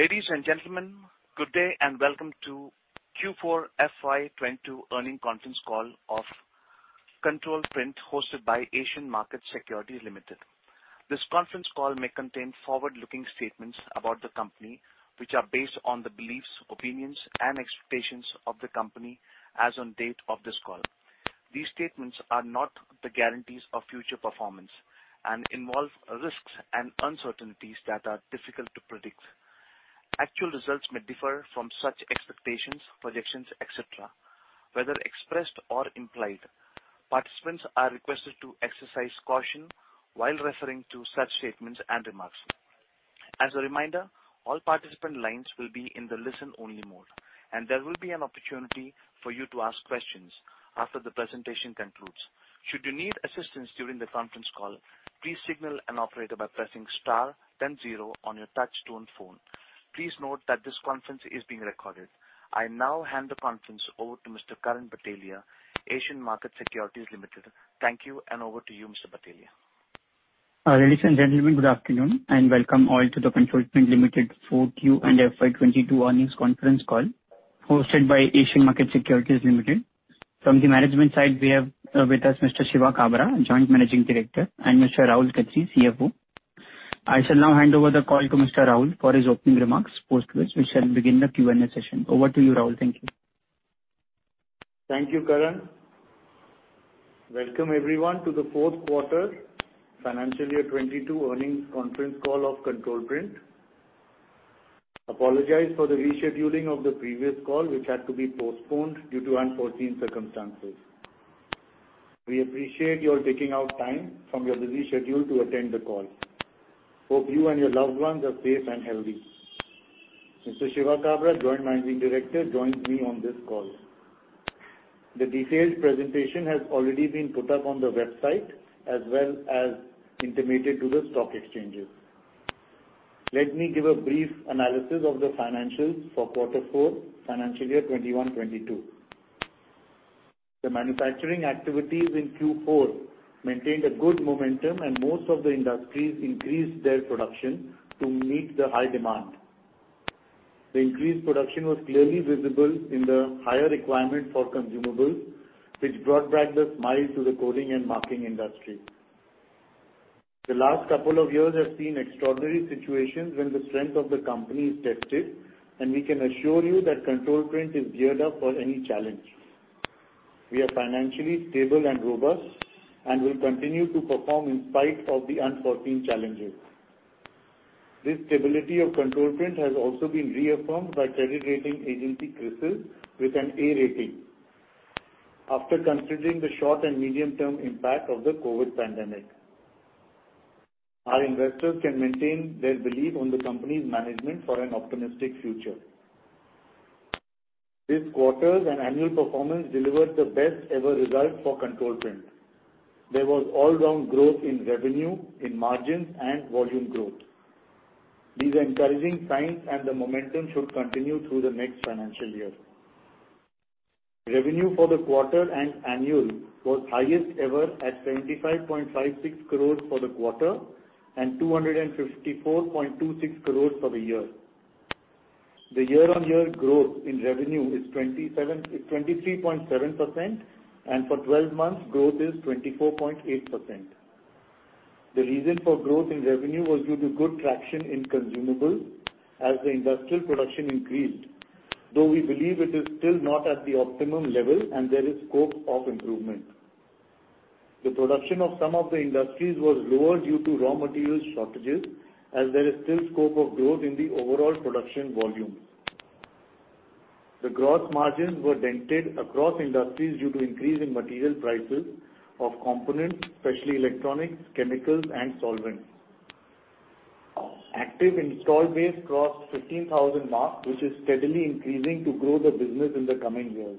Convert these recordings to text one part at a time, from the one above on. Ladies and gentlemen, good day and welcome to Fourth Quarter Fiscal Year 2022 Earnings Conference Call of Control Print, hosted by Asian Markets Securities Private Limited. This conference call may contain forward-looking statements about the company, which are based on the beliefs, opinions and expectations of the company as on date of this call. These statements are not the guarantees of future performance and involve risks and uncertainties that are difficult to predict. Actual results may differ from such expectations, projections, et cetera, whether expressed or implied. Participants are requested to exercise caution while referring to such statements and remarks. As a reminder, all participant lines will be in the listen-only mode, and there will be an opportunity for you to ask questions after the presentation concludes. Should you need assistance during the conference call, please signal an operator by pressing star then zero on your touch-tone phone. Please note that this conference is being recorded. I now hand the conference over to Mr. Karan Bhatelia, Asian Markets Securities Private Limited. Thank you, and over to you, Mr. Bhatelia. Ladies and gentlemen, good afternoon, and welcome all to the Control Print Limited fourth quarter and fiscal year 2022 earnings conference call hosted by Asian Markets Securities Private Limited. From the management side, we have with us Mr. Shiva Kabra, Joint Managing Director, and Mr. Rahul Khettry, CFO. I shall now hand over the call to Mr. Rahul for his opening remarks, post which we shall begin the Q&A session. Over to you, Rahul. Thank you. Thank you, Karan. Welcome, everyone, to the fourth quarter, financial year 2022 earnings conference call of Control Print. Apologize for the rescheduling of the previous call, which had to be postponed due to unforeseen circumstances. We appreciate your taking out time from your busy schedule to attend the call. Hope you and your loved ones are safe and healthy. Mr. Shiva Kabra, Joint Managing Director, joins me on this call. The detailed presentation has already been put up on the website as well as intimated to the stock exchanges. Let me give a brief analysis of the financials for quarter four, financial year 2021 to 2022. The manufacturing activities in fourth quarter maintained a good momentum, and most of the industries increased their production to meet the high demand. The increased production was clearly visible in the higher requirement for consumables, which brought back the smile to the coding and marking industry. The last couple of years have seen extraordinary situations when the strength of the company is tested, and we can assure you that Control Print is geared up for any challenge. We are financially stable and robust and will continue to perform in spite of the unforeseen challenges. This stability of Control Print has also been reaffirmed by credit rating agency CRISIL with an A rating after considering the short and medium term impact of the COVID pandemic. Our investors can maintain their belief on the company's management for an optimistic future. This quarter's and annual performance delivered the best ever result for Control Print. There was all-round growth in revenue, in margins, and volume growth. These are encouraging signs, and the momentum should continue through the next financial year. Revenue for the quarter and annual was highest ever at 75.56 crores for the quarter and 254.26 crores for the year. The year-on-year growth in revenue is 23.7%, and for twelve months growth is 24.8%. The reason for growth in revenue was due to good traction in consumables as the industrial production increased, though we believe it is still not at the optimum level and there is scope of improvement. The production of some of the industries was lower due to raw material shortages, as there is still scope of growth in the overall production volumes. The gross margins were dented across industries due to increase in material prices of components, especially electronics, chemicals and solvents. Our active install base crossed the 15,000 mark, which is steadily increasing to grow the business in the coming years.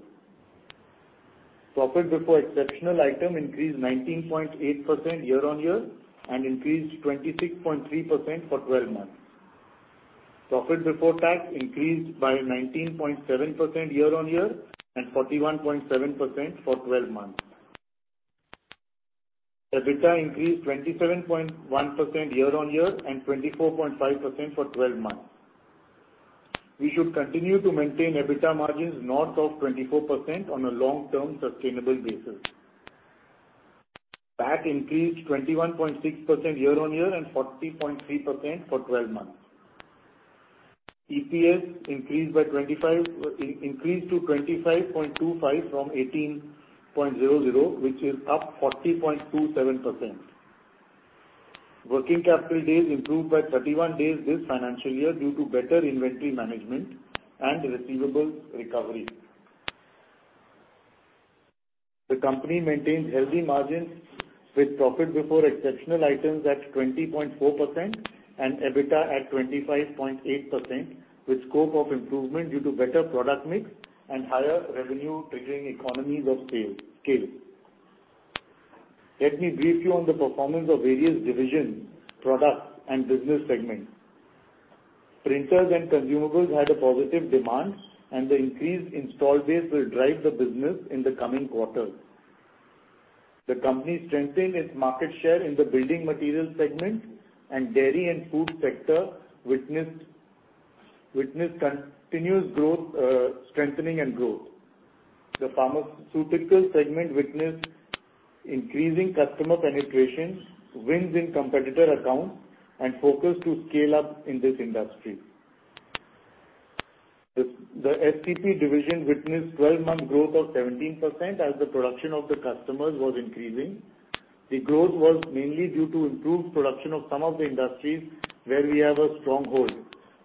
Profit before exceptional item increased 19.8% year-on-year and increased 26.3% for twelve months. Profit before tax increased by 19.7% year-on-year and 41.7% for twelve months. EBITDA increased 27.1% year-on-year and 24.5% for twelve months. We should continue to maintain EBITDA margins north of 24% on a long-term sustainable basis. PAT increased 21.6% year-on-year and 40.3% for twelve months. EPS increased to 25.25% from 18.00%, which is up 40.27%. Working capital days improved by 31 days this financial year due to better inventory management and receivables recovery. The company maintains healthy margins with profit before exceptional items at 20.4% and EBITDA at 25.8%, with scope of improvement due to better product mix and higher revenue triggering economies of scale. Let me brief you on the performance of various divisions, products and business segments. Printers and consumables had a positive demand, and the increased install base will drive the business in the coming quarters. The company is strengthening its market share in the building material segment and dairy and food sector witnessed continuous growth, strengthening and growth. The pharmaceutical segment witnessed increasing customer penetrations, wins in competitor accounts, and focus to scale up in this industry. The LCP division witnessed 12-month growth of 17% as the production of the customers was increasing. The growth was mainly due to improved production of some of the industries where we have a strong hold,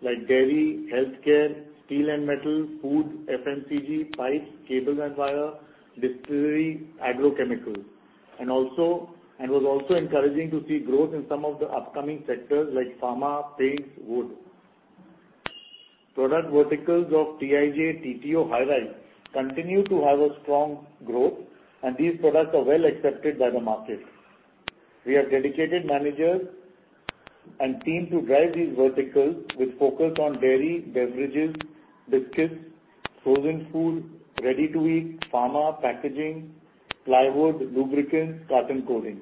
like dairy, healthcare, steel and metal, food, FMCG, pipes, cables and wire, distillery, agrochemicals. It was also encouraging to see growth in some of the upcoming sectors like pharma, paints, wood. Product verticals of TIJ, TTO, High Resolution continue to have a strong growth, and these products are well accepted by the market. We have dedicated managers and team to drive these verticals with focus on dairy, beverages, biscuits, frozen food, ready-to-eat, pharma, packaging, plywood, lubricants, carton coating.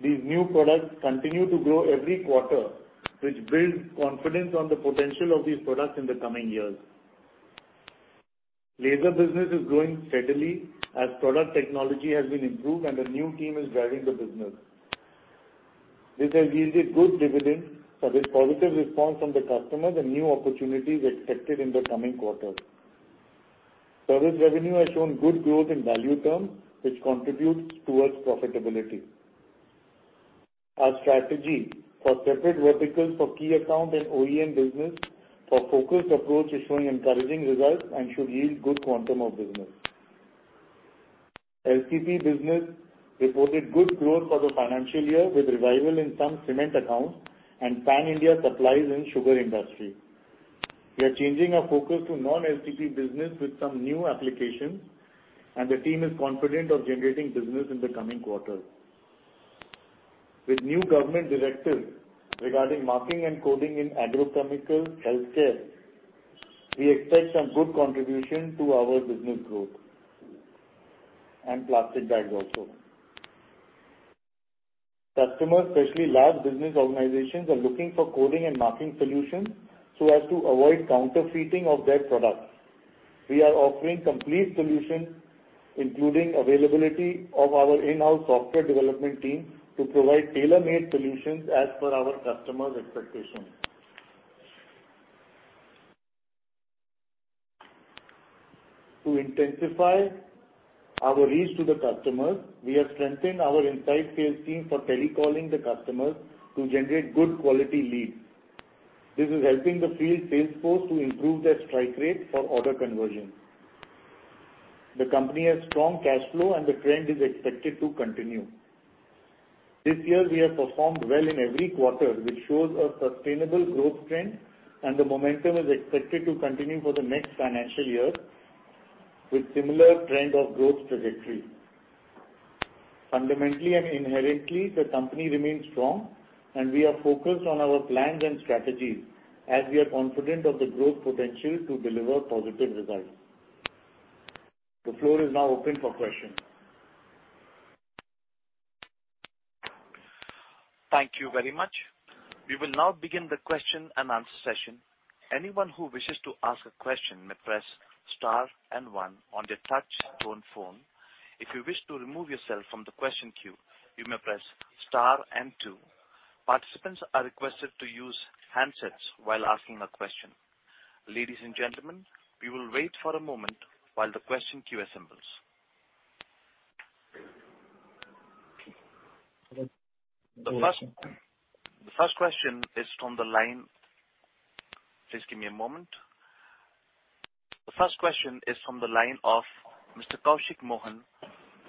These new products continue to grow every quarter, which builds confidence on the potential of these products in the coming years. Laser business is growing steadily as product technology has been improved and a new team is driving the business. This has yielded good dividends, with a positive response from the customers and new opportunities expected in the coming quarters. Service revenue has shown good growth in value terms, which contributes towards profitability. Our strategy for separate verticals for key account and OEM business for focused approach is showing encouraging results and should yield good quantum of business. LCP business reported good growth for the financial year, with revival in some cement accounts and Pan-India supplies in sugar industry. We are changing our focus to non-LCP business with some new applications, and the team is confident of generating business in the coming quarters. With new government directives regarding marking and coding in agrochemicals, healthcare, and plastic bags also, we expect some good contribution to our business growth. Customers, especially large business organizations, are looking for coding and marking solutions so as to avoid counterfeiting of their products. We are offering complete solutions, including availability of our in-house software development team, to provide tailor-made solutions as per our customers' expectations. To intensify our reach to the customers, we have strengthened our inside sales team for telecalling the customers to generate good quality leads. This is helping the field sales force to improve their strike rate for order conversion. The company has strong cash flow, and the trend is expected to continue. This year we have performed well in every quarter, which shows a sustainable growth trend, and the momentum is expected to continue for the next financial year with similar trend of growth trajectory. Fundamentally and inherently, the company remains strong, and we are focused on our plans and strategies as we are confident of the growth potential to deliver positive results. The floor is now open for questions. Thank you very much. We will now begin the question-and-answer session. Anyone who wishes to ask a question may press star and one on their touch-tone phone. If you wish to remove yourself from the question queue, you may press star and two. Participants are requested to use handsets while asking a question. Ladies and gentlemen, we will wait for a moment while the question queue assembles. The first... [inaudible] Please give me a moment. The first question is from the line of Mr. Koushik Mohan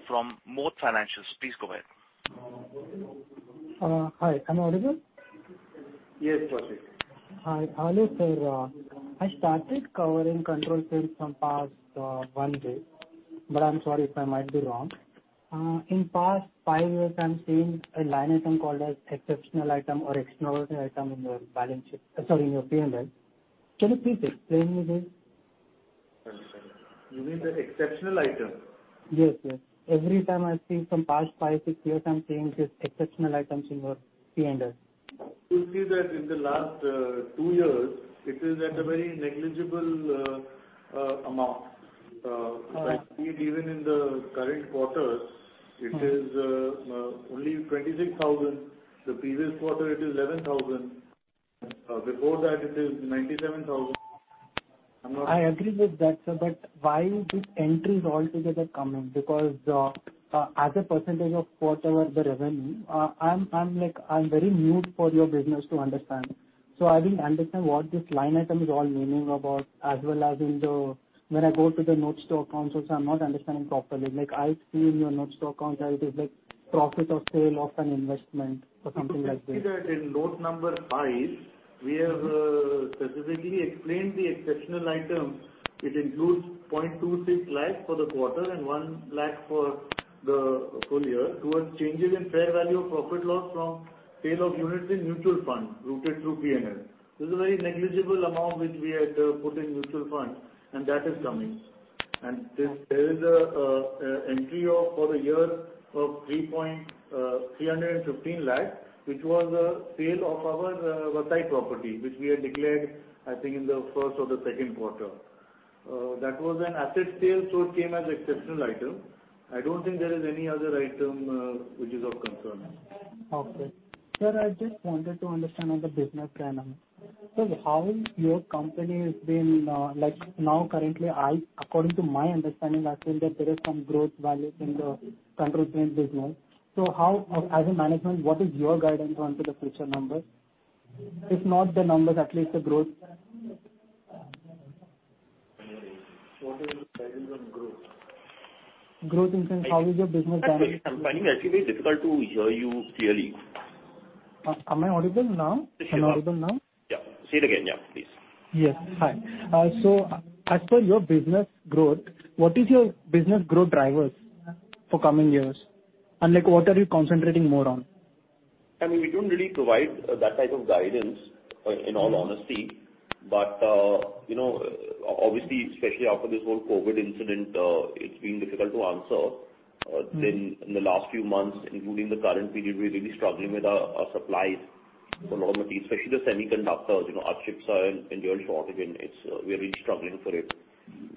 from Moat Financials. Please go ahead. Hi. Am I audible? Yes, Kaushik. Hi. Hello, sir. I started covering Control Print from past one year, but I'm sorry if I might be wrong. In past five years, I'm seeing a line item called as exceptional item or extraordinary item in your balance sheet, sorry, in your P&L. Can you please explain me this? You mean the exceptional item? Yes, yes. Every time I see from past five to six years, I'm seeing these exceptional items in your P&L. You'll see that in the last two years it is at a very negligible amount... [inaudible] If I read even in the current quarter. Mm-hmm. It is only 26,000. The previous quarter it is 11,000. Before that it is 97,000. I agree with that, sir. Why these entries altogether come in? Because as a percentage of whatever the revenue, I'm like I'm very new for your business to understand. I didn't understand what this line item is all meaning about, as well as in the notes to accounts. When I go to the notes to accounts also, I'm not understanding properly. Like, I see in your notes to accounts how it is like profit or sale of an investment or something like that. If you see that in note number five, we have specifically explained the exceptional item. It includes 0.26 lakh for the quarter and 1 lakh for the Full year towards changes in fair value profit loss from sale of units in mutual funds routed through PNL. This is a very negligible amount which we had put in mutual funds, and that is coming. This, there is an entry for the year of 315 lakhs, which was a sale of our Vasai property, which we had declared, I think, in the first or the second quarter. That was an asset sale, so it came as exceptional item. I don't think there is any other item which is of concern. Okay. Sir, I just wanted to understand on the business dynamic. How is your company has been, like, according to my understanding, I feel that there is some growth values in the Control Print business. How, as a management, what is your guidance onto the future numbers? If not the numbers, at least the growth. What is the guidance on growth? Growth in sense, how is your business going? Actually, I'm finding it actually very difficult to hear you clearly. Am I audible now? Yes, you are. Am I audible now? Yeah. Say it again. Yeah, please. Yes. Hi. As per your business growth, what is your business growth drivers for coming years? Like, what are you concentrating more on? I mean, we don't really provide that type of guidance in all honesty. You know, obviously, especially after this whole COVID incident, it's been difficult to answer. Mm-hmm. In the last few months, including the current period, we're really struggling with our normal supplies, especially the semiconductors. You know, our chips are in short supply again. We're really struggling for it,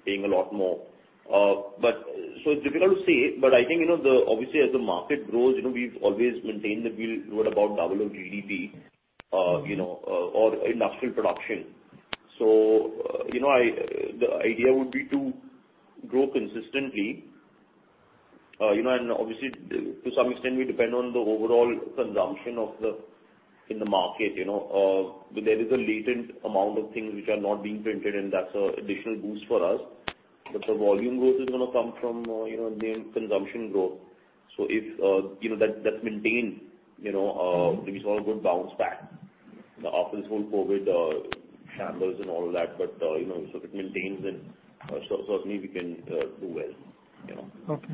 paying a lot more. It's difficult to say, but I think you know, obviously as the market grows, you know, we've always maintained that we'll grow at about double of GDP or industrial production. You know, the idea would be to grow consistently. You know, and obviously to some extent, we depend on the overall consumption in the market, you know. There is a latent amount of things which are not being printed, and that's an additional boost for us. The volume growth is gonna come from, you know, the consumption growth. If you know that that's maintained, you know, we saw a good bounce back after this whole COVID shambles and all of that. If it maintains, then certainly we can do well, you know. Okay.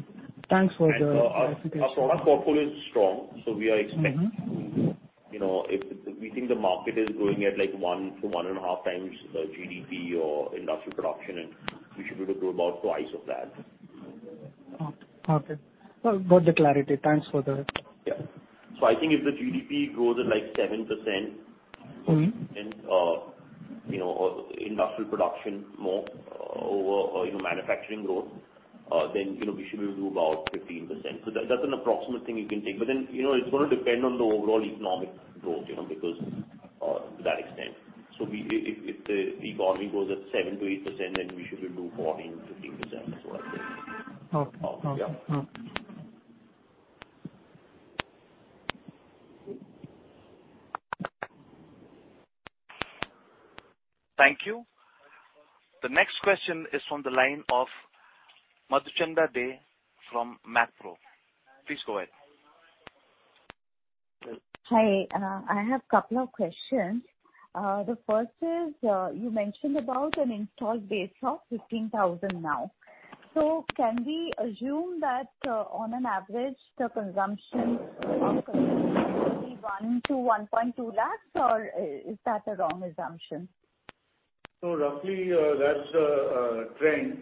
Thanks for the clarification... Our product portfolio is strong, so we are expecting. Mm-hmm. You know, if we think the market is growing at, like, 1x to 1.5x the GDP or industrial production, and we should be able to grow about twice of that. Okay. Got the clarity. Thanks for that. Yeah. I think if the GDP grows at, like, 7%. Mm-hmm. You know, industrial production, moreover, you know, manufacturing growth, then, you know, we should be able to do about 15%. That's an approximate thing you can take. You know, it's gonna depend on the overall economic growth, you know, because to that extent. If the economy grows at 7% to 8%, then we should do 14% to 15% is what I think. Okay. Yeah. Okay. Mm-hmm. Thank you. The next question is from the line of Madhuchanda Dey from MC PRO. Please go ahead. Hi. I have couple of questions. The first is, you mentioned about an installed base of 15,000 now. Can we assume that, on an average, the consumption per customer will be 1 to 1.2 lakh, or is that a wrong assumption? Roughly, that's the trend,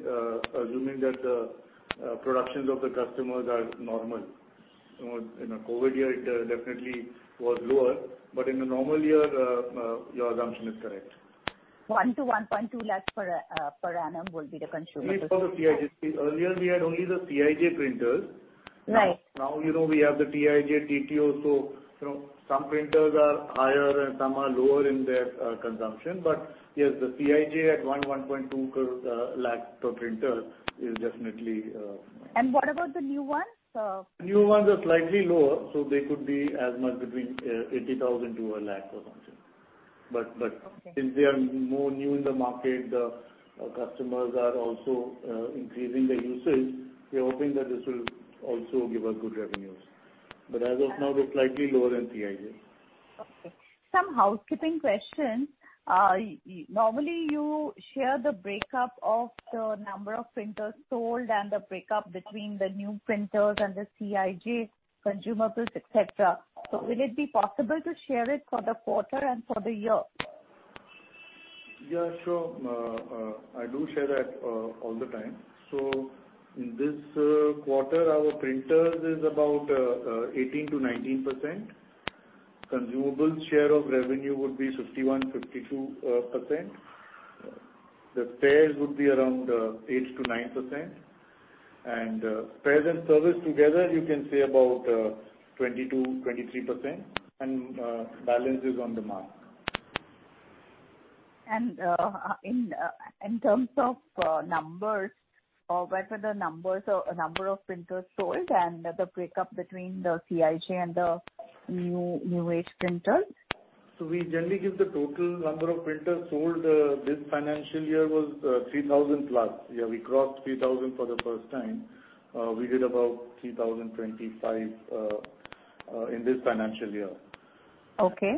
assuming that the productions of the customers are normal. In a COVID year, it definitely was lower. In a normal year, your assumption is correct. 1 to 1.2 lakhs per annum will be the consumables. I mean, for the CIJ. Earlier we had only the CIJ printers. Right. Now, you know, we have the TIJ, TTO, so, you know, some printers are higher and some are lower in their consumption. But yes, the CIJ at 1.2 lakh per printer is definitely. What about the new ones? New ones are slightly lower, so they could be as much between 80,000 to 1 lakh or something. But... Okay. Since they are more new in the market, our customers are also increasing their usage. We are hoping that this will also give us good revenues. As of now, they're slightly lower than CIJ. Okay. Some housekeeping questions. Normally you share the breakup of the number of printers sold and the breakup between the new printers and the CIJ consumables, et cetera. Will it be possible to share it for the quarter and for the year? Yeah, sure. I do share that all the time. In this quarter, our printers is about 18% to 19%. Consumables share of revenue would be 51% to 52%. The spares would be around 8% to 9%. Spares and service together, you can say about 22% to 23%. Balance is on the mark. In terms of numbers, where were the numbers or number of printers sold and the breakup between the CIJ and the new age printers? We generally give the total number of printers sold. This financial year was 3,000+. Yeah, we crossed three thousand for the first time. We did about 3,025 in this financial year. Okay.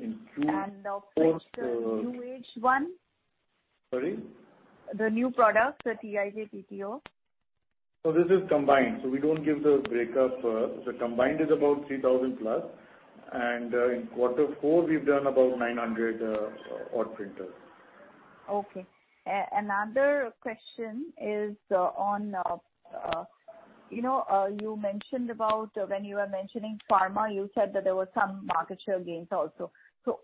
In fourth quarter. Of which new age one? Sorry? The new products, the CIJ, TTO. This is combined, so we don't give the breakup. The combined is about 3,000+, and in quarter four we've done about 900 odd printers. Okay. Another question is on, you know, you mentioned about when you were mentioning pharma, you said that there were some market share gains also.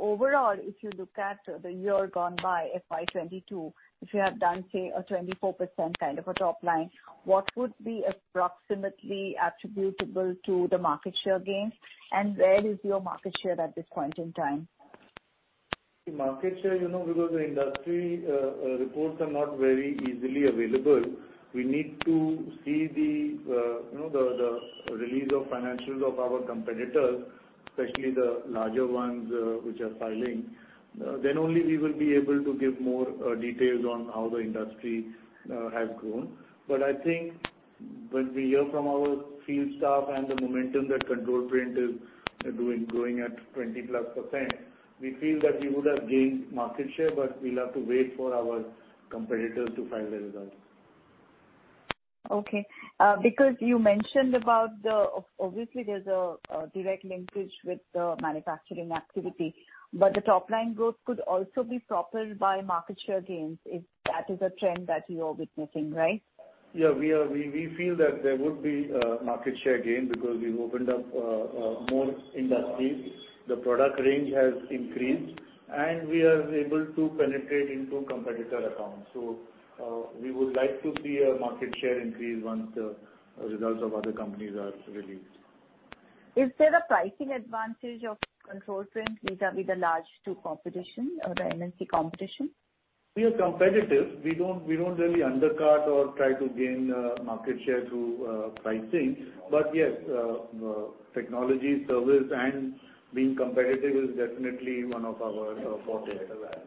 Overall, if you look at the year gone by, fiscal year 2022, if you have done, say, a 24% kind of a top line, what would be approximately attributable to the market share gains? And where is your market share at this point in time? The market share, you know, because the industry reports are not very easily available, we need to see, you know, the release of financials of our competitors, especially the larger ones, which are filing, then only we will be able to give more details on how the industry has grown. I think when we hear from our field staff and the momentum that Control Print is doing, growing at 20%+, we feel that we would have gained market share, but we'll have to wait for our competitors to file their results. Okay. Because you mentioned, obviously there's a direct linkage with the manufacturing activity, but the top line growth could also be propelled by market share gains if that is a trend that you're witnessing, right? Yeah, we are. We feel that there would be market share gain because we've opened up more industries. The product range has increased, and we are able to penetrate into competitor accounts. We would like to see a market share increase once the results of other companies are released. Is there a pricing advantage of Control Print vis-à-vis the large, too, competition or the MNC competition? We are competitive. We don't really undercut or try to gain market share through pricing. Yes, technology, service and being competitive is definitely one of our forte as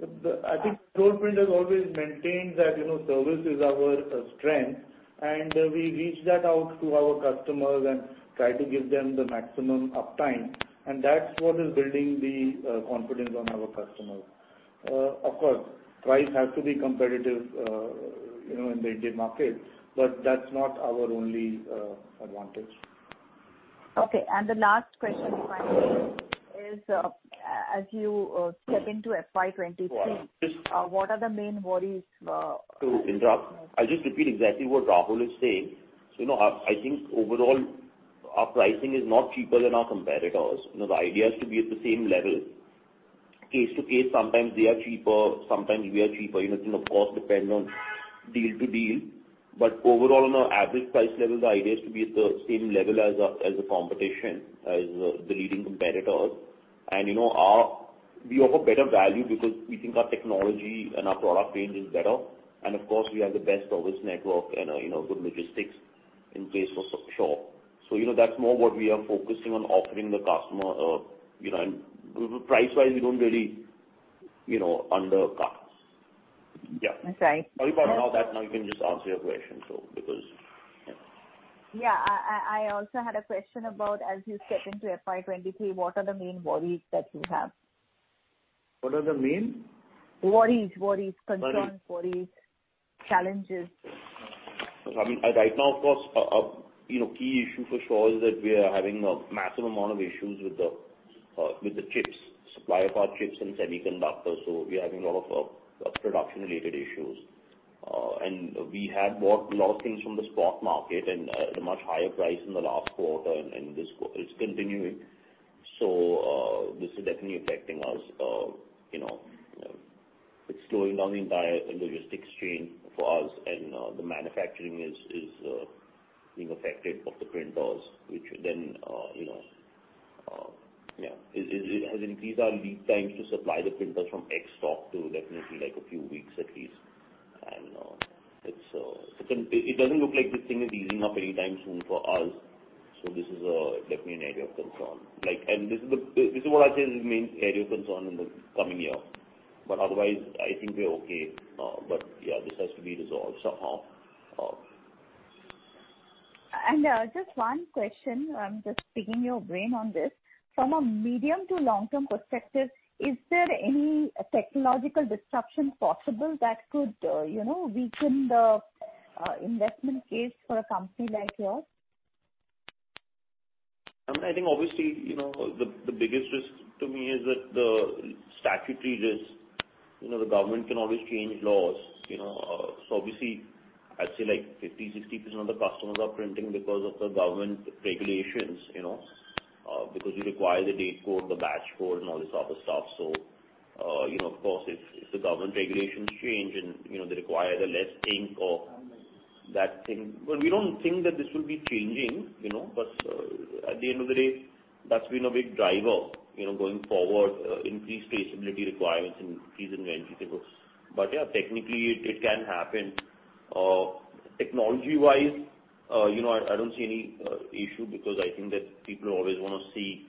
well. I think Control Print has always maintained that, you know, service is our strength, and we reach out to our customers and try to give them the maximum uptime, and that's what is building the confidence in our customers. Of course, price has to be competitive, you know, in the Indian market, but that's not our only advantage. Okay. The last question finally is, as you step into fiscal year 2023, what are the main worries? To interrupt. I'll just repeat exactly what Rahul is saying. You know, I think overall our pricing is not cheaper than our competitors. You know, the idea is to be at the same level. Case to case, sometimes they are cheaper, sometimes we are cheaper. You know, the cost depends on deal to deal. Overall, on our average price level, the idea is to be at the same level as the competition, the leading competitors. You know, we offer better value because we think our technology and our product range is better. Of course, we have the best service network and you know, good logistics in place for sure. You know, that's more what we are focusing on offering the customer, you know. Price-wise, we don't really, you know, undercut. Yeah. That's right... Sorry about all that. Now you can just answer your question. Yeah. I also had a question about as you step into fiscal year 2022, what are the main worries that you have? What are the main? Worries. Worries. Concerns, worries, challenges. I mean, right now, of course, you know, key issue for sure is that we are having a massive amount of issues with the chips, supply of our chips and semiconductors. We are having a lot of production related issues. We had bought a lot of things from the spot market and at a much higher price in the last quarter and this quarter it's continuing. This is definitely affecting us. You know, it's slowing down the entire logistics chain for us and the manufacturing is being affected of the printers, which then you know. It has increased our lead times to supply the printers from ex-stock to definitely like a few weeks at least. It's It doesn't look like this thing is easing up anytime soon for us. This is definitely an area of concern. Like, this is what I said is the main area of concern in the coming year. Otherwise I think we're okay. Yeah, this has to be resolved somehow. Just one question. I'm just picking your brain on this. From a medium to long-term perspective, is there any technological disruption possible that could, you know, weaken the investment case for a company like yours? I mean, I think obviously, you know, the biggest risk to me is that the statutory risk. You know, the government can always change laws, you know. Obviously, I'd say like 50% to 60% of the customers are printing because of the government regulations, you know, because you require the date code, the batch code and all this other stuff. You know, of course, if the government regulations change and, you know, they require the less ink or that thing. We don't think that this will be changing, you know. At the end of the day, that's been a big driver, you know, going forward, increased traceability requirements and increase in the FMCG buckets. Yeah, technically it can happen. Technology-wise, you know, I don't see any issue because I think that people always want to see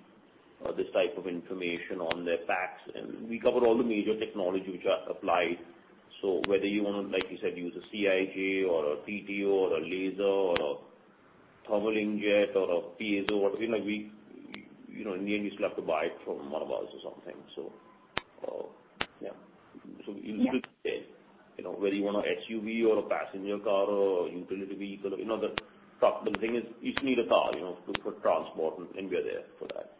this type of information on their packs. We cover all the major technology which are applied. Whether you want to, like you said, use a CIJ or a TTO or a laser or a thermal inkjet or a piezo, whatever, you know, you know, in the end you still have to buy it from Marwari's or something. Yeah. Yeah. It's a good thing. You know, whether you want a SUV or a passenger car or a utility vehicle, you know, the truck, the thing is you just need a car, you know, for transport, and we are there for that.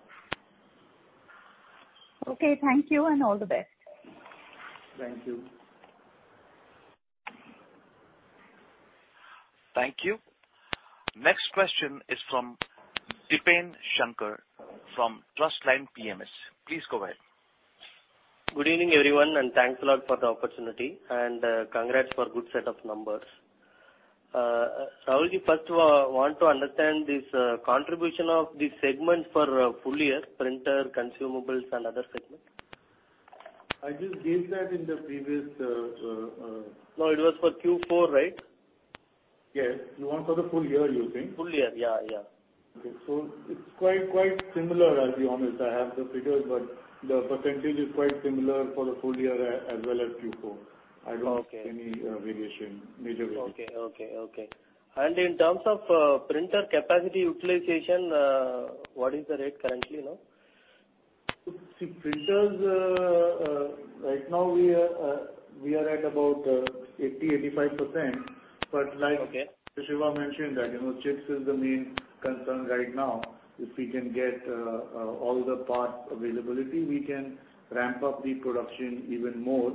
Okay. Thank you and all the best. Thank you. Thank you. Next question is from Deepan Shankar from Trustline PMS. Please go ahead. Good evening, everyone, and thanks a lot for the opportunity and, congrats for good set of numbers. Rahulji, first want to understand this, contribution of the segment for full year printer consumables and other segments. I just gave that in the previous. No, it was for fourth quarter, right? Yes. You want for the full year, you think? Full year. Yeah, yeah. Okay. It's quite similar, to be honest. I have the figures, but the percentage is quite similar for the full year as well as fourth quarter. Okay. I don't see any variation, major variation. Okay. In terms of printer capacity utilization, what is the rate currently now? CIJ printers, right now we are at about 80% to 85%. Okay. Like Shiva mentioned that, you know, chips is the main concern right now. If we can get all the parts availability, we can ramp up the production even more,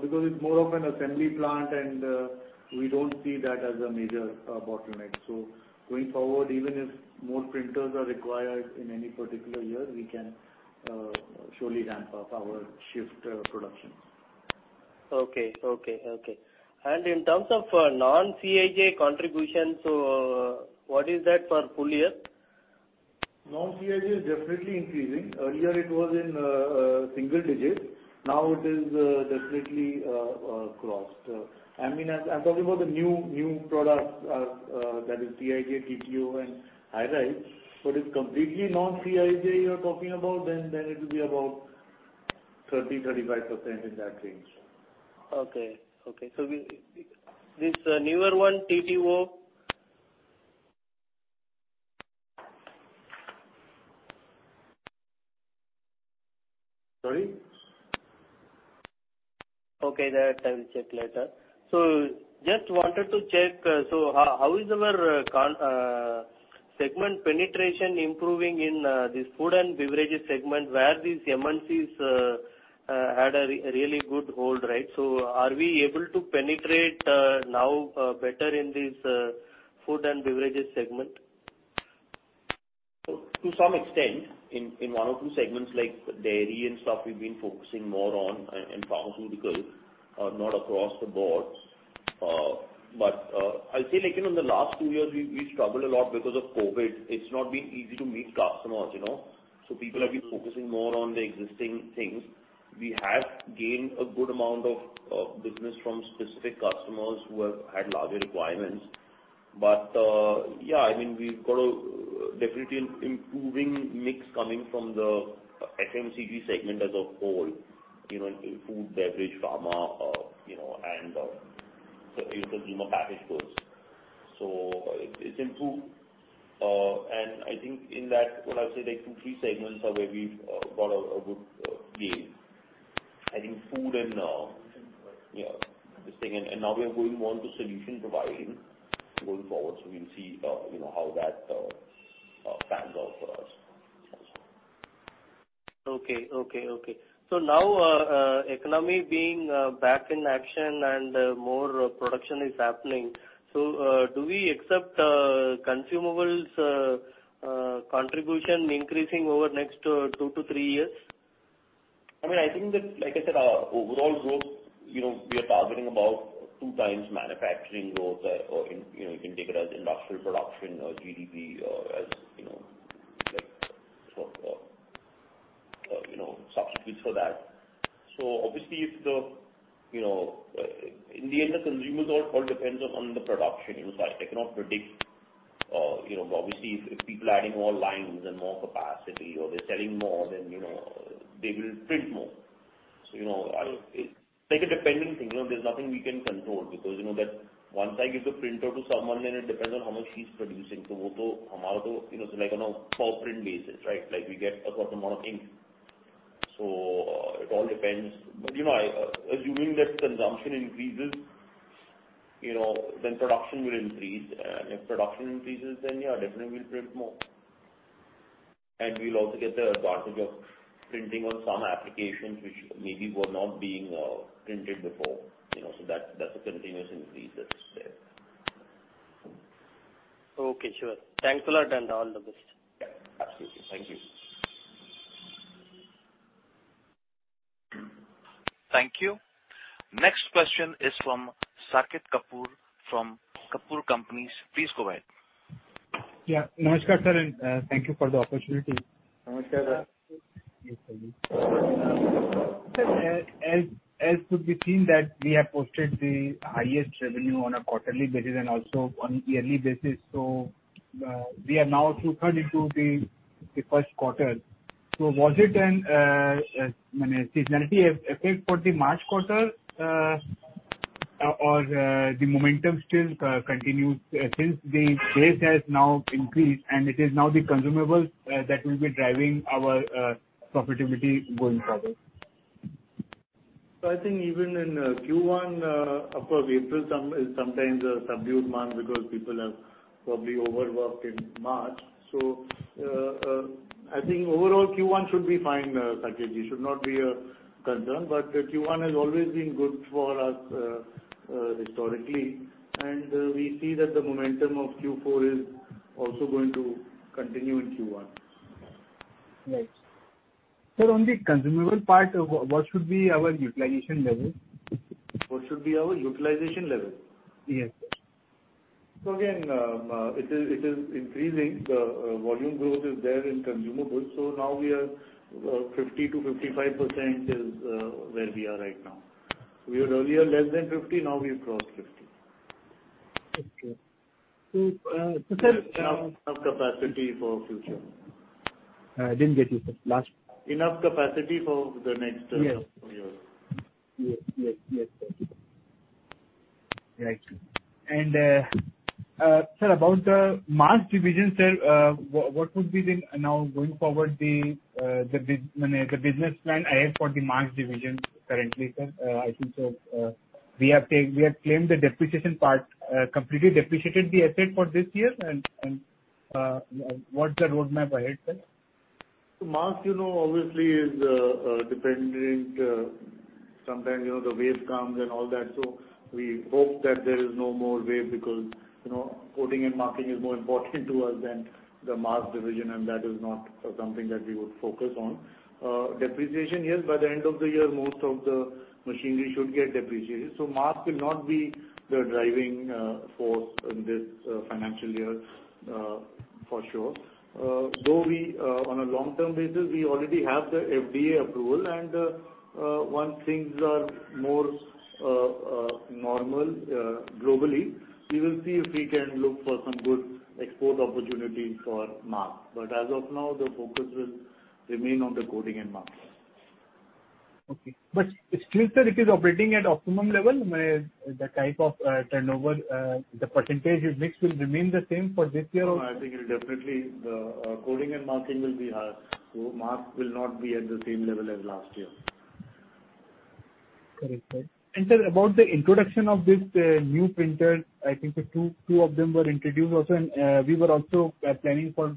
because it's more of an assembly plant and we don't see that as a major bottleneck. Going forward, even if more printers are required in any particular year, we can surely ramp up our shift production. Okay. In terms of non-CIJ contribution, so what is that for full year? Non-CIJ is definitely increasing. Earlier it was in single digits. Now it is definitely crossed. I mean, I'm talking about the new products that is CIJ, TTO and High Resolution. But if completely non-CIJ you're talking about, then it will be about 30% to 35%, in that range. Okay. This newer one, TTO. Sorry? Okay, that I will check later. Just wanted to check, how is our segment penetration improving in this food and beverages segment where these MNCs had a really good hold, right? Are we able to penetrate now better in this food and beverages segment? To some extent. In one or two segments like dairy and stuff we've been focusing more on and pharmaceutical, not across the board. I'll say like, you know, in the last two years we've struggled a lot because of COVID. It's not been easy to meet customers, you know. People have been focusing more on the existing things. We have gained a good amount of business from specific customers who have had larger requirements. Yeah, I mean, we've got a definitely improving mix coming from the FMCG segment as a whole, you know, in food, beverage, pharma, and even packaged goods. It's improved. I think in that, what I would say, like two, three segments are where we've got a good gain. I think food and. Now we are going more into solution providing going forward, so we'll see, you know, how that pans out for us. Okay. Now, economy being back in action and more production is happening. Do we expect consumables contribution increasing over next two to three years? I mean, I think that, like I said, our overall growth, you know, we are targeting about 2x manufacturing growth or you can take it as industrial production or GDP or as, you know, like, you know, substitutes for that. Obviously if the, you know, in the end the consumption all depends upon the production. I cannot predict, you know. Obviously, if people are adding more lines and more capacity or they're selling more then, you know, they will print more. You know, it's like a dependent thing, you know? There's nothing we can control because, you know that once I give the printer to someone then it depends on how much he's producing. Okay, sure. Thanks a lot and all the best. Yeah. Absolutely. Thank you. Thank you. Next question is from Saket Kapoor from Kapoor & Company. Please go ahead. Yeah. Namaskar, sir, and thank you for the opportunity. Namaskar, sir. Sir, as could be seen that we have posted the highest revenue on a quarterly basis and also on a yearly basis. We are now through third into the first quarter. Was it a seasonality effect for the March quarter, or the momentum still continues, since the base has now increased and it is now the consumables that will be driving our profitability going forward. I think even in first quarter, of course April sometimes a subdued month because people have probably overworked in March. I think overall first quarter should be fine, Saket. It should not be a concern, but first quarter has always been good for us, historically, and we see that the momentum of fourth quarter is also going to continue in first quarter. Right. Sir, on the consumable part, what should be our utilization level? What should be our utilization level? Yes. It is increasing. The volume growth is there in consumables. We are 50% to 55% where we are right now. We were earlier less than 50%, now we've crossed 50%. Okay. Sir. Enough capacity for future. I didn't get you, sir. Enough capacity for the next few years. Yes. Thank you. Right. Sir, about the mask division, sir, what would be now going forward the business plan ahead for the mask division currently, sir? I think we have claimed the depreciation part, completely depreciated the asset for this year and what's the roadmap ahead, sir? Masks, you know, obviously is dependent sometimes, you know, the wave comes and all that. We hope that there is no more wave because, you know, coding and marking is more important to us than the mask division, and that is not something that we would focus on. Depreciation, yes, by the end of the year, most of the machinery should get depreciated. Masks will not be the driving force in this financial year, for sure. Though we on a long-term basis we already have the FDA approval, and once things are more normal globally, we will see if we can look for some good export opportunity for mask. As of now, the focus will remain on the coding and marking. Okay. Sir, it is operating at optimum level, where the type of turnover, the percentage it makes will remain the same for this year also? No, I think it'll definitely coding and marking will be high. Mask will not be at the same level as last year. Correct, sir. Sir, about the introduction of this new printer, I think two of them were introduced also, and we were also planning for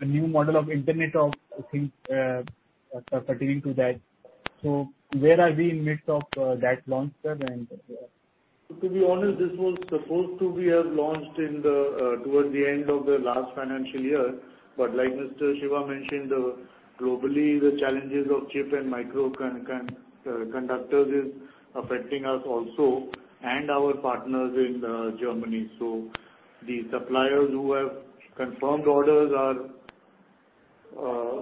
a new model of Internet of Things pertaining to that. Where are we in the midst of that launch? To be honest, this was supposed to be launched towards the end of the last financial year. Like Mr. Shiva mentioned, globally, the challenges of chip and semiconductor is affecting us also and our partners in Germany. The suppliers who have confirmed orders are,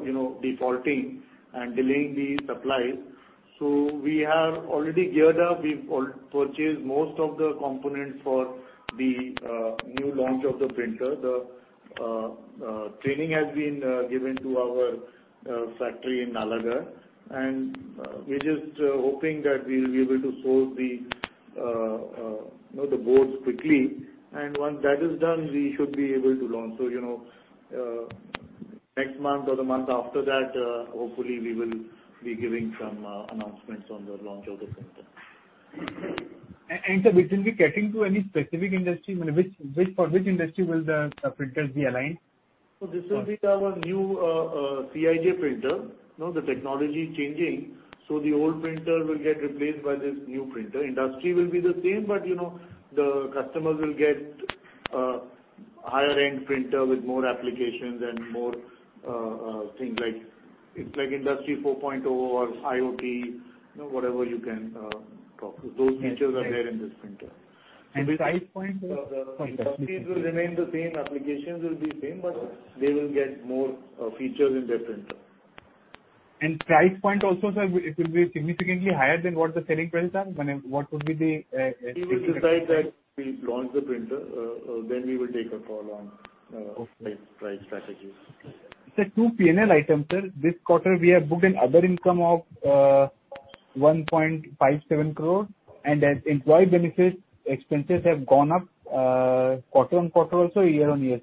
you know, defaulting and delaying the supplies. We have already geared up. We've purchased most of the components for the new launch of the printer. The training has been given to our factory in Nalagarh, and we're just hoping that we will be able to source, you know, the boards quickly. Once that is done, we should be able to launch. You know, next month or the month after that, hopefully we will be giving some announcements on the launch of the printer. Sir, it will be catering to any specific industry? I mean, which for which industry will the printers be aligned? This will be our new CIJ printer. You know, the technology is changing, so the old printer will get replaced by this new printer. Industry will be the same, but you know, the customers will get higher-end printer with more applications and more things like, it's like Industry 4.0 or IoT, you know, whatever you can talk. Those features are there in this printer. Price point is? The industries will remain the same, applications will be same, but they will get more features in their printer. Price point also, sir, it will be significantly higher than what the selling price are? I mean, what would be the estimated We decide that we launch the printer, then we will take a call on. Okay. Price, price strategies. Sir, two P&L items, sir. This quarter we have booked other income of 1.57 crore and as employee benefit expenses have gone up, quarter-on-quarter also, year-on-year. Is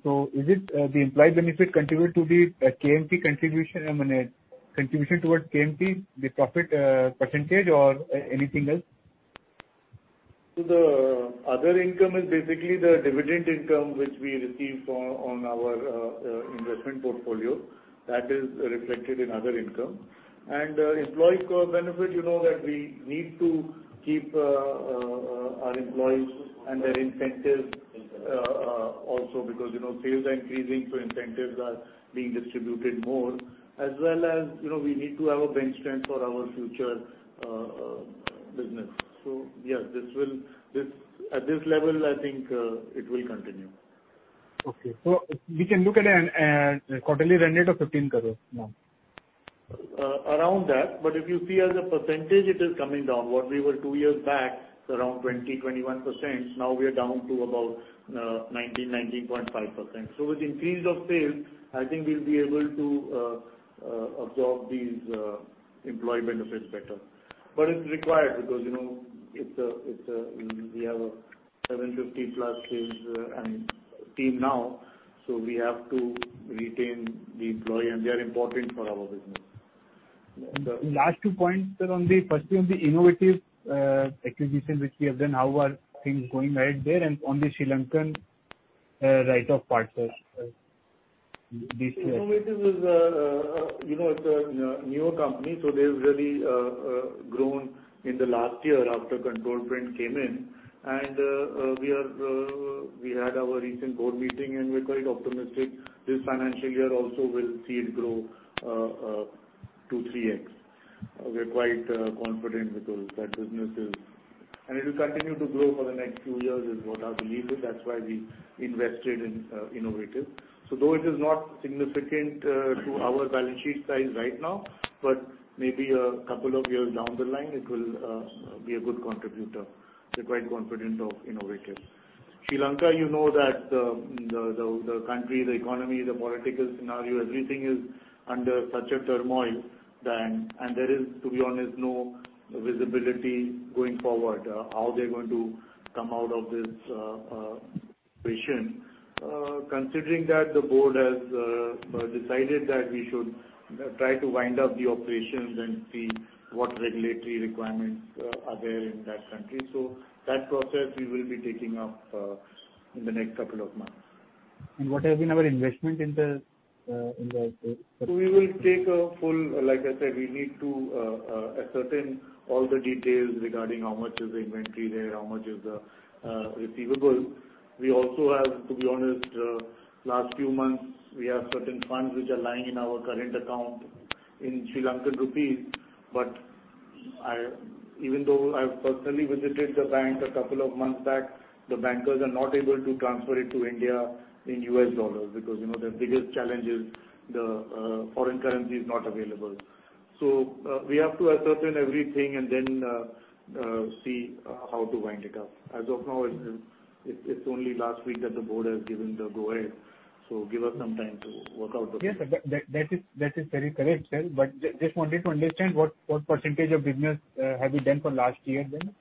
it the employee benefit contribute to the KMP contribution, I mean, contribution towards KMP, the profit percentage or anything else? The other income is basically the dividend income which we receive on our investment portfolio. That is reflected in other income. Employee cost benefit, you know that we need to keep our employees and their incentives also because, you know, sales are increasing, so incentives are being distributed more. As well as, you know, we need to have a bench strength for our future business. Yes, this will at this level, I think, it will continue. Okay. We can look at an quarterly run rate of 15 crore now? Around that, but if you see as a percentage, it is coming down. What we were two years back around 20% to 21%, now we are down to about 19.5%. With increase of sales, I think we'll be able to absorb these employee benefits better. It's required because, you know, it's a we have a 750+ sales team now. We have to retain the employee, and they are important for our business. The last two points, sir. On the first thing, the Innovative acquisition which we have done. How are things going right there? And on the Sri Lankan write-off partners, these three. Innovative is, you know, it's a new company, so they've really grown in the last year after Control Print came in. We had our recent board meeting, and we're quite optimistic. This financial year also we'll see it grow to 3x. We're quite confident because that business is. It will continue to grow for the next few years is what I believe it. That's why we invested in Innovative. Though it is not significant to our balance sheet size right now, but maybe a couple of years down the line, it will be a good contributor. We're quite confident of Innovative. Sri Lanka, you know that the country, the economy, the political scenario, everything is under such a turmoil. There is, to be honest, no visibility going forward how they're going to come out of this situation. Considering that, the board has decided that we should try to wind up the operations and see what regulatory requirements are there in that country. That process we will be taking up in the next couple of months. What has been our investment in the... Like I said, we need to ascertain all the details regarding how much is the inventory there, how much is the receivable. We also have; to be honest, last few months, we have certain funds which are lying in our current account in Sri Lankan rupees. Even though I've personally visited the bank a couple of months back, the bankers are not able to transfer it to India in US dollars because, you know, their biggest challenge is the foreign currency is not available. We have to ascertain everything and then see how to wind it up. As of now, it's only last week that the board has given the go-ahead. Give us some time to work out the details. Yes, sir. That is very correct, sir. Just wanted to understand what percentage of business have you done for last year then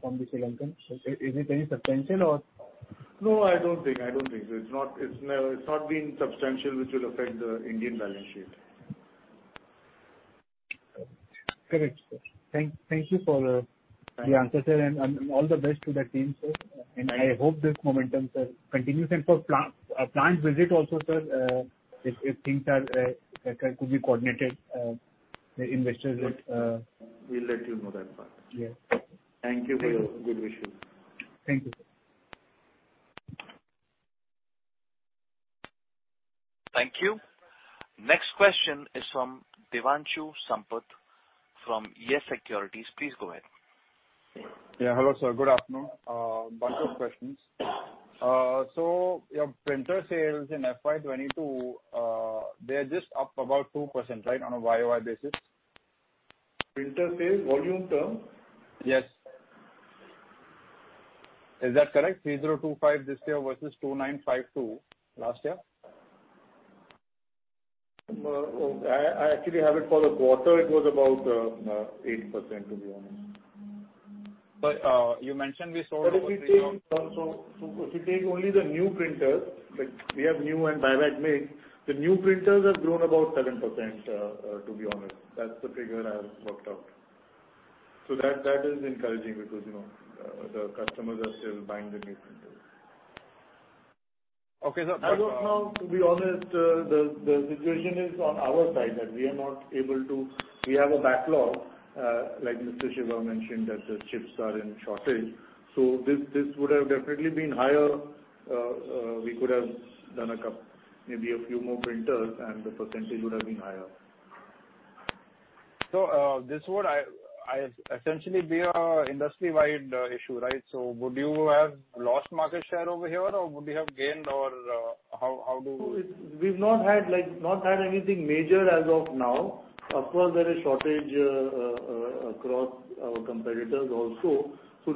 from the Sri Lankan? Is it any substantial or? No, I don't think so. It's not been substantial, which will affect the Indian balance sheet. Correct, sir. Thank you for the answer, sir. Yeah. All the best to the team, sir. I hope this momentum, sir, continues. For plant, a plant visit also, sir, if things could be coordinated, the investors would. We'll let you know that part. Yeah. Thank you for your good wishes. Thank you, sir. Thank you. Next question is from Devanshu Sampat from Yes Securities. Please go ahead. Yeah. Hello, sir. Good afternoon. Bunch of questions. Your printer sales in fiscal year 2022, they are just up about 2%, right, on a year-over-year basis? Printer sales volume term? Yes. Is that correct? 3,025 this year versus 2,952 last year. Well, I actually have it for the quarter. It was about 8%, to be honest. You mentioned we sold. If you take only the new printers, like we have new and direct make, the new printers have grown about 7%, to be honest. That's the figure I have worked out. That is encouraging because, you know, the customers are still buying the new printers. Okay, sir. As of now, to be honest, the situation is on our side that we are not able to. We have a backlog, like Mr. Shiva Kabra mentioned, that the chips are in shortage. So this would have definitely been higher. We could have done a couple, maybe a few more printers and the percentage would have been higher. This would essentially be an industry-wide issue, right? Would you have lost market share over here, or would you have gained or how do... No, it's. We've not had, like, anything major as of now. Of course, there is shortage across our competitors also.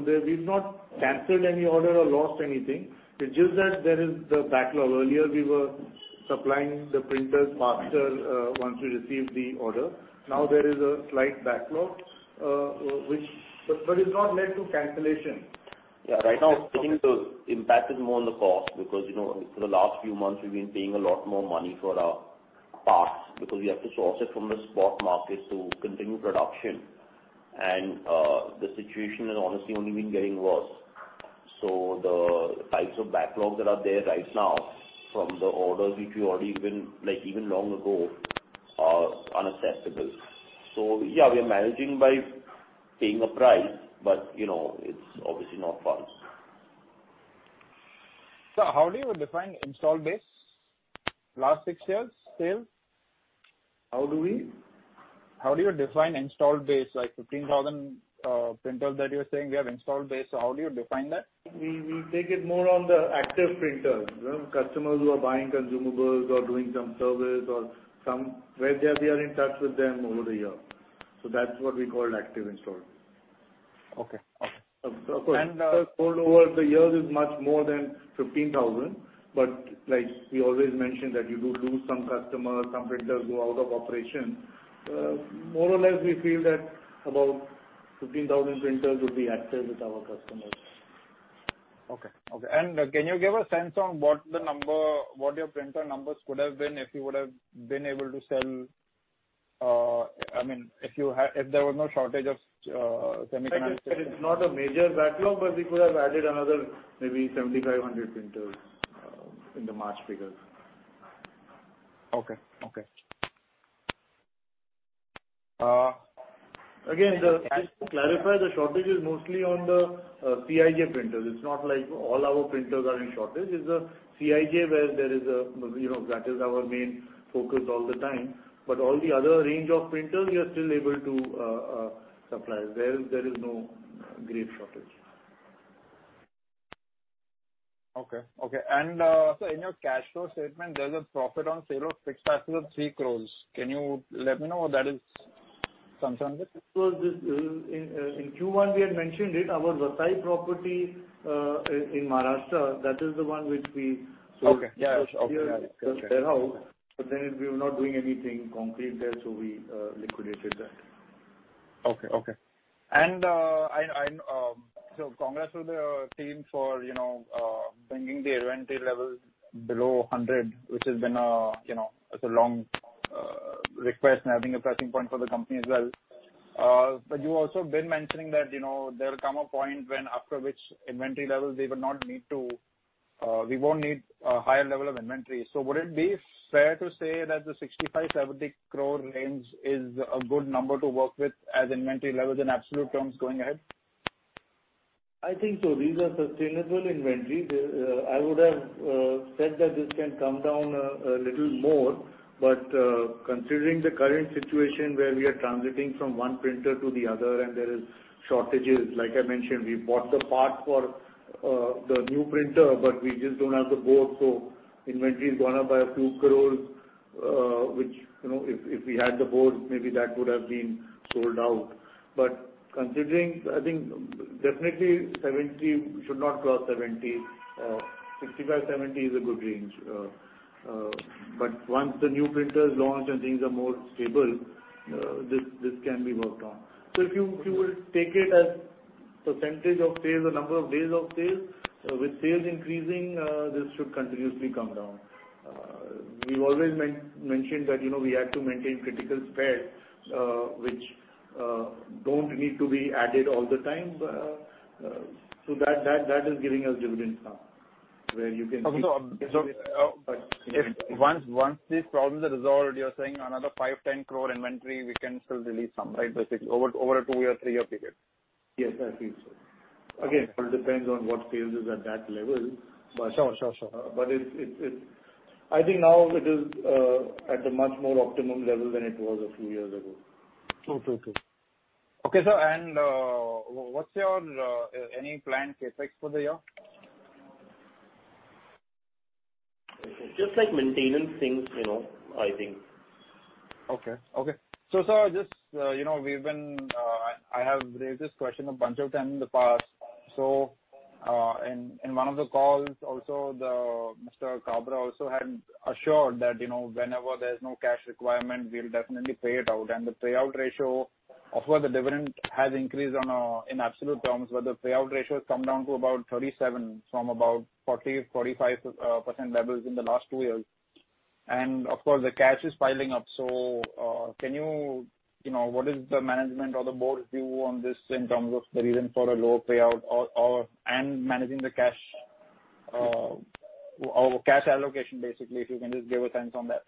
There, we've not canceled any order or lost anything. It's just that there is the backlog. Earlier, we were supplying the printers faster once we received the order. Now there is a slight backlog. But it's not led to cancellation. Yeah. Right now, I think the impact is more on the cost because, you know, for the last few months we've been paying a lot more money for our parts because we have to source it from the spot market to continue production. The situation has honestly only been getting worse. The types of backlogs that are there right now from the orders which we ordered even, like, even long ago are unacceptable. Yeah, we are managing by paying a price, but you know, it's obviously not fast. How do you define installed base? Last six years sales? How do we? How do you define installed base? Like 15,000 printers that you were saying we have installed base. How do you define that? We take it more on the active printers. You know, customers who are buying consumables or doing some service where they are, we are in touch with them over the year. That's what we call active install. Okay. Okay. Of course. And, uh... Total over the years is much more than 15,000. Like we always mention, that you do lose some customers, some printers go out of operation. More or less, we feel that about 15,000 printers would be active with our customers. Okay. Can you give a sense on what the number, what your printer numbers could have been if you would have been able to sell? I mean, if there was no shortage of semiconductors? It is not a major backlog, but we could have added another maybe 7,500 printers in the March figures. Okay. Again, just to clarify, the shortage is mostly on the CIJ printers. It's not like all our printers are in shortage. It's the CIJ where there is a, you know, that is our main focus all the time. All the other range of printers we are still able to supply. There is no great shortage. In your cash flow statement there's a profit on sale of fixed assets of 3 crores. Can you let me know what that is concerned with? This, in first quarter we had mentioned it, our Vasai property in Maharashtra, that is the one which we sold. Okay. Yeah. Okay. Got it... Because we are just there now. We were not doing anything concrete there, so we liquidated that. Congrats to the team for, you know, bringing the inventory level below 100, which has been, you know, a long request and I think a pressing point for the company as well. You also been mentioning that, you know, there will come a point when after which inventory levels we won't need a higher level of inventory. Would it be fair to say that the 65 to 70 crore range is a good number to work with as inventory levels in absolute terms going ahead? I think so. These are sustainable inventory. I would have said that this can come down a little more. Considering the current situation where we are transiting from one printer to the other and there is shortages, like I mentioned, we bought the parts for the new printer, but we just don't have the board. Inventory has gone up by INR a few crores, which, you know, if we had the board, maybe that would have been sold out. Considering, I think definitely 70% should not cross 70%. 65% to 70% is a good range. Once the new printer is launched and things are more stable, this can be worked on. If you will take it as percentage of sales or number of days of sales, with sales increasing, this should continuously come down. We've always mentioned that, you know, we had to maintain critical spares, which don't need to be added all the time. That is giving us dividends now, where you can see... If once these problems are resolved, you're saying another 5 to 10 crore inventory we can still release some, right? Basically over a two-year, three-year period. Yes, I think so. Again, it depends on what sales is at that level. Sure. I think now it is at a much more optimum level than it was a few years ago. Okay, sir, and what's your any planned CapEx for the year? Just like maintenance things, you know, I think. Okay. Sir, just, you know, we've been, I have raised this question a bunch of times in the past. In one of the calls also the Mr. Kabra also had assured that, you know, whenever there's no cash requirement, we'll definitely pay it out. The payout ratio of where the dividend has increased on a, in absolute terms, where the payout ratio has come down to about 37% from about 40% to 45% levels in the last two years. Of course, the cash is piling up. Can you know, what is the management or the board view on this in terms of the reason for a lower payout or, and managing the cash? Or cash allocation basically, if you can just give a sense on that.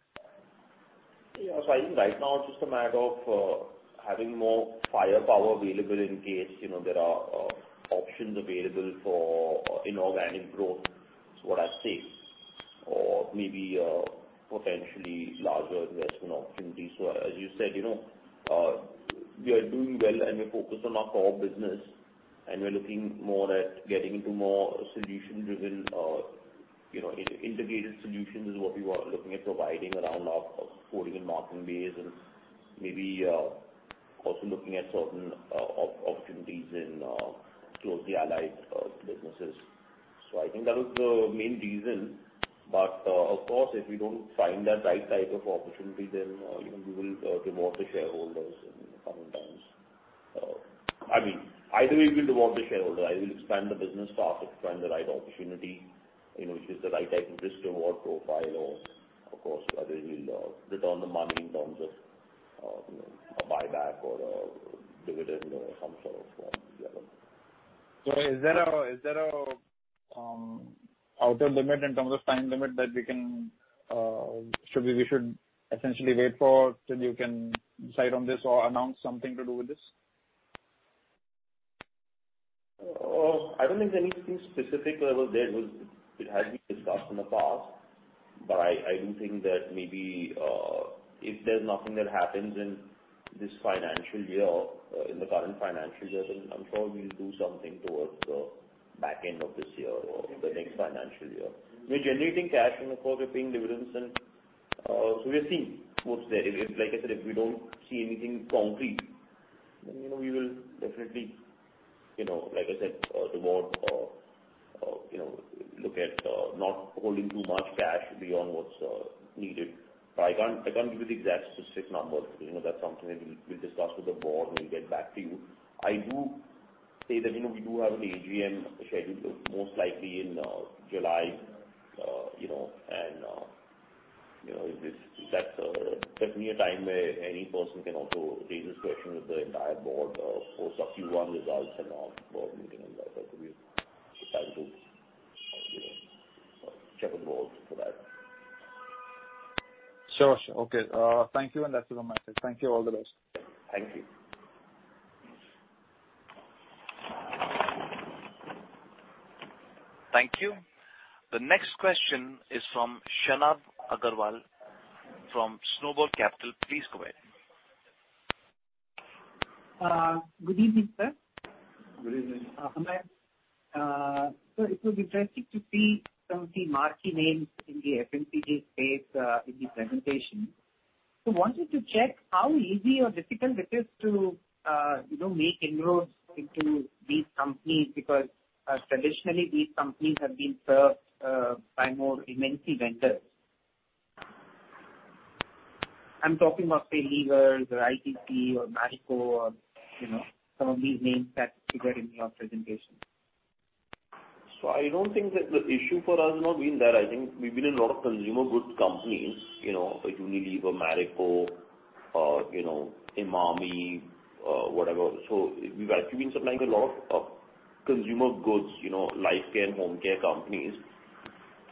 Yeah. I think right now it's just a matter of having more firepower available in case, you know, there are options available for inorganic growth is what I'd say. Or maybe a potentially larger investment opportunity. As you said, you know, we are doing well and we're focused on our core business and we're looking more at getting into more solution-driven, you know, integrated solutions is what we were looking at providing around our coding and marking base and maybe also looking at certain opportunities in closely allied businesses. I think that was the main reason. Of course, if we don't find that right type of opportunity, then, you know, we will reward the shareholders in coming times. I mean, either way we'll reward the shareholder. Either we expand the business or expand the right opportunity, you know, which is the right type of risk reward profile or of course, either we'll return the money in terms of, you know, a buyback or a dividend or some sort of form. Yeah. Is there a outer limit in terms of time limit that we should essentially wait for till you can decide on this or announce something to do with this? I don't think there's anything specific level there. It has been discussed in the past, but I do think that maybe if there's nothing that happens in this financial year, in the current financial year, then I'm sure we'll do something towards the back end of this year or the next financial year. We're generating cash and of course we're paying dividends and so we'll see what's there. If, like I said, if we don't see anything concrete, then you know, we will definitely you know, like I said, reward or, you know, look at not holding too much cash beyond what's needed. I can't give you the exact specific numbers. You know, that's something that we'll discuss with the board, and we'll get back to you. I do say that, you know, we do have an AGM scheduled most likely in July. You know, you know, that's certainly a time where any person can also raise this question with the entire board. Of course, our first quarter results and our board meeting and like that will be the time to, you know, check with the board for that. Sure. Okay. Thank you, and that's it on my side. Thank you. All the best. Thank you. Thank you. The next question is from Shalabh Agarwal from Snowball Capital. Please go ahead. Good evening, sir. Good evening. It was interesting to see some of the marquee names in the FMCG space in the presentation. Wanted to check how easy or difficult it is to, you know, make inroads into these companies because traditionally these companies have been served by more incumbent vendors. I'm talking about, say, Unilever or ITC or Marico or, you know, some of these names that figured in your presentation. I don't think that the issue for us has not been that. I think we've been in a lot of consumer goods companies, you know, like Unilever, Marico, you know, Emami, whatever. We've actually been supplying a lot of consumer goods, you know, personal care and home care companies.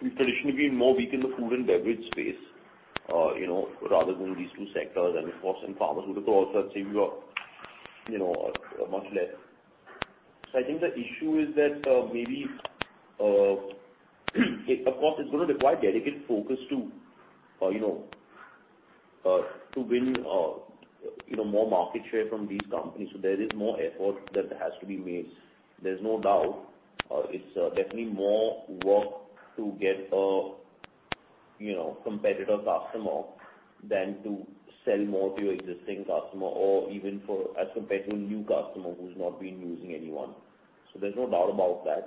We've traditionally been more weak in the food and beverage space, you know, rather than these two sectors. Of course, in pharmaceuticals, I'd say we are, you know, much less. I think the issue is that, maybe, of course it's gonna require dedicated focus to, you know, to win, you know, more market share from these companies. There is more effort that has to be made. There's no doubt, it's definitely more work to get a, you know, competitor customer than to sell more to your existing customer or even for as compared to a new customer who's not been using anyone. There's no doubt about that.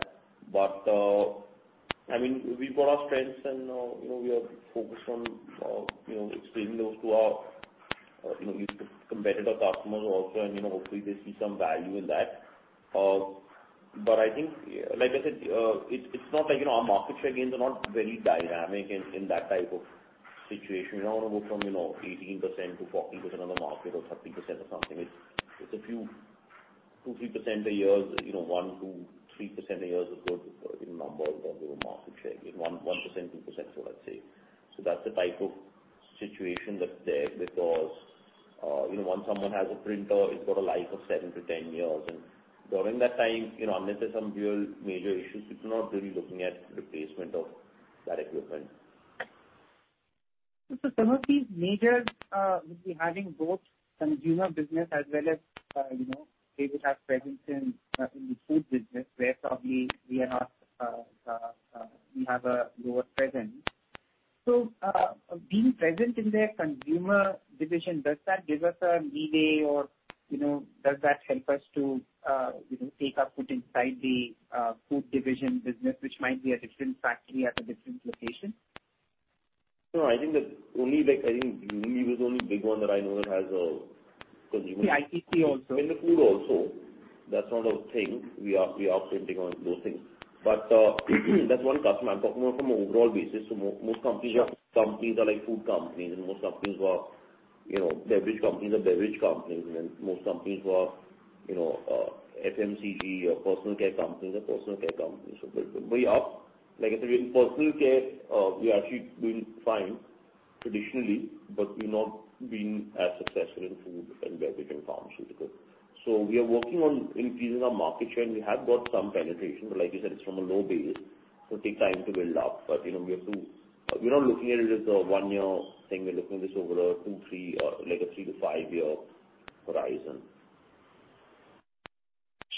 I mean, we've got our strengths and, you know, we are focused on, you know, expanding those to our, you know, existing competitor customers also, and, you know, hopefully they see some value in that. I think, like I said, it's not like, you know, our market share gains are not very dynamic in that type of situation. We don't want to go from, you know, 18% to 40% of the market or 30% or something. It's a few, 2%, 3% a year. You know, 1% to 3% a year is a good, you know, number in terms of market share gain. 1%, 2% or so I'd say. That's the type of situation that's there because, you know, once someone has a printer, it's got a life of seven to 10 years, and during that time, you know, unless there's some real major issues, people are not really looking at replacement of that equipment. Some of these majors would be having both consumer business as well as, you know, they would have presence in the food business where probably we are not, we have a lower presence. Being present in their consumer division, does that give us a leeway or, you know, does that help us to, you know, take our foot inside the food division business, which might be a different factory at a different location? No, I think Unilever is the only big one that I know that has a consumer... Yeah. ITC also. In the food also, that's not a thing. We are printing on those things. But that's one customer. I'm talking about from an overall basis. Most companies are like food companies and most companies who are, you know, beverage companies are beverage companies, and then most companies who are, you know, FMCG or personal care companies are personal care companies. Like I said, in personal care, we're actually doing fine traditionally, but we've not been as successful in food and beverage and pharmaceutical. We are working on increasing our market share, and we have got some penetration, but like I said, it's from a low base, so it take time to build up. You know, we have to. We're not looking at it as a one-year thing. We're looking at this over a two, three or like a three to five-year horizon.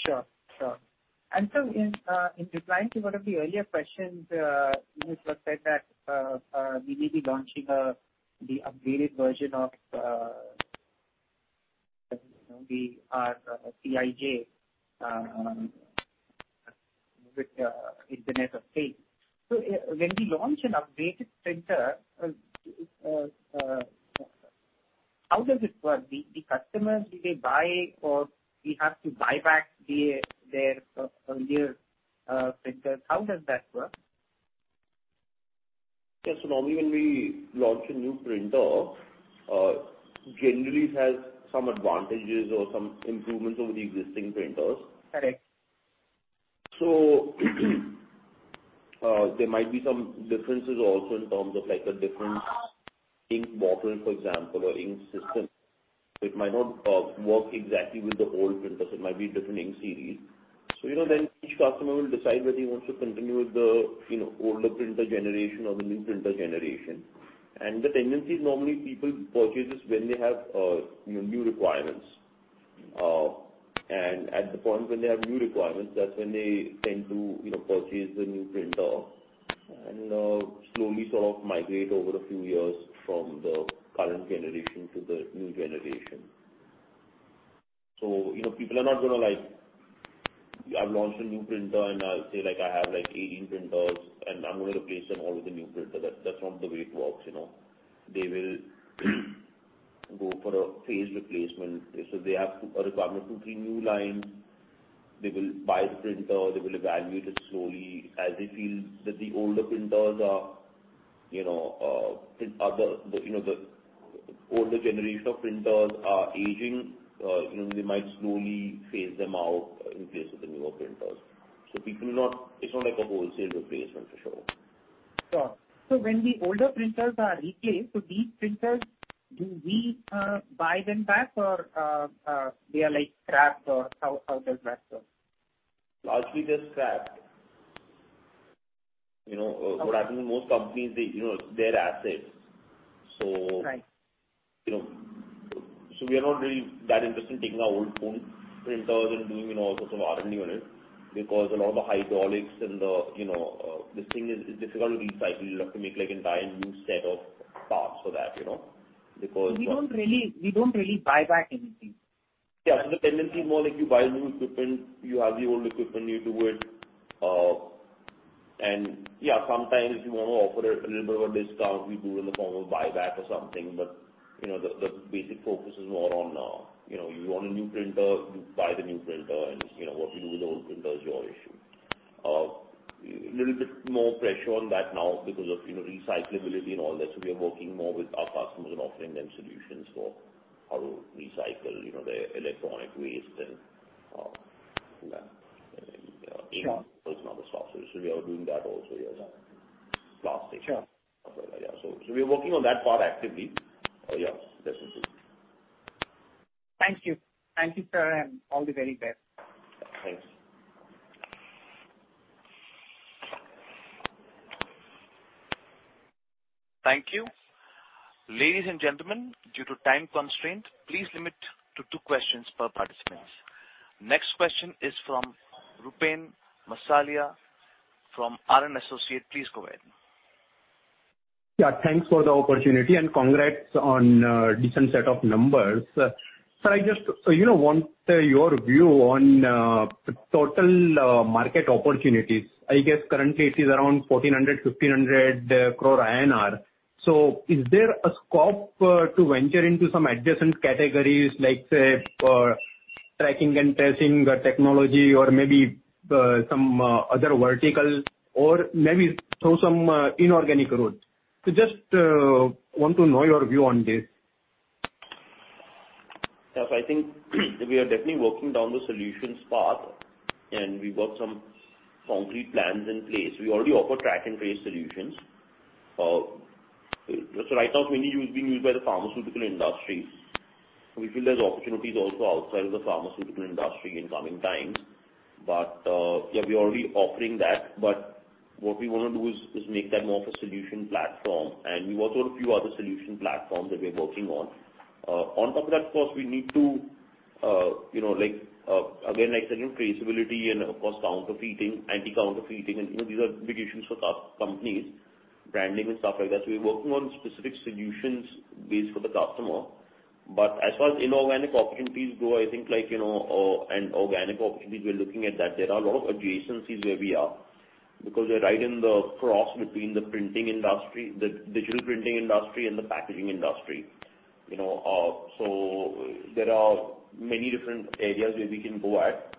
Sure. In replying to one of the earlier questions, you had said that we may be launching the upgraded version of, you know, the CIJ within the next phase. When we launch an upgraded printer, how does it work? The customers, do they buy or we have to buy back their earlier printers? How does that work? Yeah. Normally when we launch a new printer, generally it has some advantages or some improvements over the existing printers. Correct. There might be some differences also in terms of like a different ink bottle, for example, or ink system. It might not work exactly with the old printers. It might be a different ink series. You know, then each customer will decide whether he wants to continue with the, you know, older printer generation or the new printer generation. The tendency is normally people purchase this when they have, you know, new requirements. At the point when they have new requirements, that's when they tend to, you know, purchase the new printer and, slowly sort of migrate over a few years from the current generation to the new generation. You know, people are not gonna like I've launched a new printer, and I'll say, like, I have, like, 18 printers, and I'm gonna replace them all with the new printer. That's not the way it works, you know? They will go for a phased replacement. They have a requirement for two, three new lines. They will buy the printer. They will evaluate it slowly as they feel that the older printers are, you know, the older generation of printers are aging. You know, they might slowly phase them out in place of the newer printers. It's not like a wholesale replacement for sure. Sure. When the older printers are replaced, so these printers, do we buy them back or, they are like scrapped or how does that go? Largely they're scrapped. You know, what happens in most companies, they, you know, they're assets. Right. You know, we are not really that interested in taking our old printers and doing, you know, all sorts of R&D on it because a lot of the hydraulics and the, you know, this thing is difficult to recycle. You'll have to make, like, an entire new set of parts for that, you know... We don't really buy back anything. Yeah. The tendency is more like you buy new equipment, you have the old equipment, you do it. Yeah, sometimes if you want to offer a little bit of a discount, we do it in the form of a buyback or something. You know, the basic focus is more on, you know, you want a new printer, you buy the new printer and, you know, what you do with the old printer is your issue. Little bit more pressure on that now because of, you know, recyclability and all that. We are working more with our customers and offering them solutions for how to recycle, you know, their electronic waste and that. Sure. Other stuff. We are doing that also as a plastic. Sure. Yeah. We are working on that part actively. Yes, that's the solution. Thank you. Thank you, sir, and all the very best. Thanks. Thank you. Ladies and gentlemen, due to time constraint, please limit to two questions per participant. Next question is from Rupen Masalia from RN Associates. Please go ahead. Yeah, thanks for the opportunity and congrats on a decent set of numbers. Sir, I just, you know, want your view on total market opportunities. I guess currently it is around 1,400 to 1,500 crore. Is there a scope to venture into some adjacent categories like, say, for tracking and testing technology or maybe some other verticals or maybe through some inorganic route? Just want to know your view on this. Yes, I think we are definitely working down the solutions path, and we've got some concrete plans in place. We already offer track and trace solutions. Right now, it's mainly used by the pharmaceutical industries. We feel there's opportunities also outside of the pharmaceutical industry in coming times. Yeah, we are already offering that. What we want to do is make that more of a solution platform. We've also got a few other solution platforms that we are working on. On top of that, of course, we need to, you know, like, again, like I said, in traceability and of course, counterfeiting, anti-counterfeiting, and, you know, these are big issues for companies, branding and stuff like that. We're working on specific solutions based for the customer. As far as inorganic opportunities go, I think like, you know, and organic opportunities, we are looking at that. There are a lot of adjacencies where we are because we are right in the cross between the printing industry, the digital printing industry and the packaging industry. You know, there are many different areas where we can go at.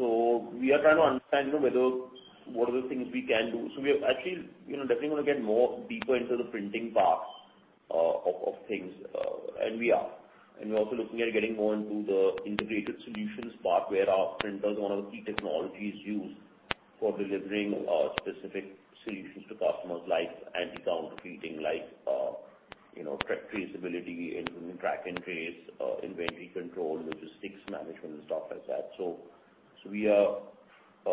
We are trying to understand, you know, whether what are the things we can do. We are actually, you know, definitely gonna get more deeper into the printing parts of things. We're also looking at getting more into the integrated solutions part where our printer is one of the key technologies used for delivering specific solutions to customers like anti-counterfeiting, like you know track traceability and track and trace inventory control, logistics management and stuff like that. So we are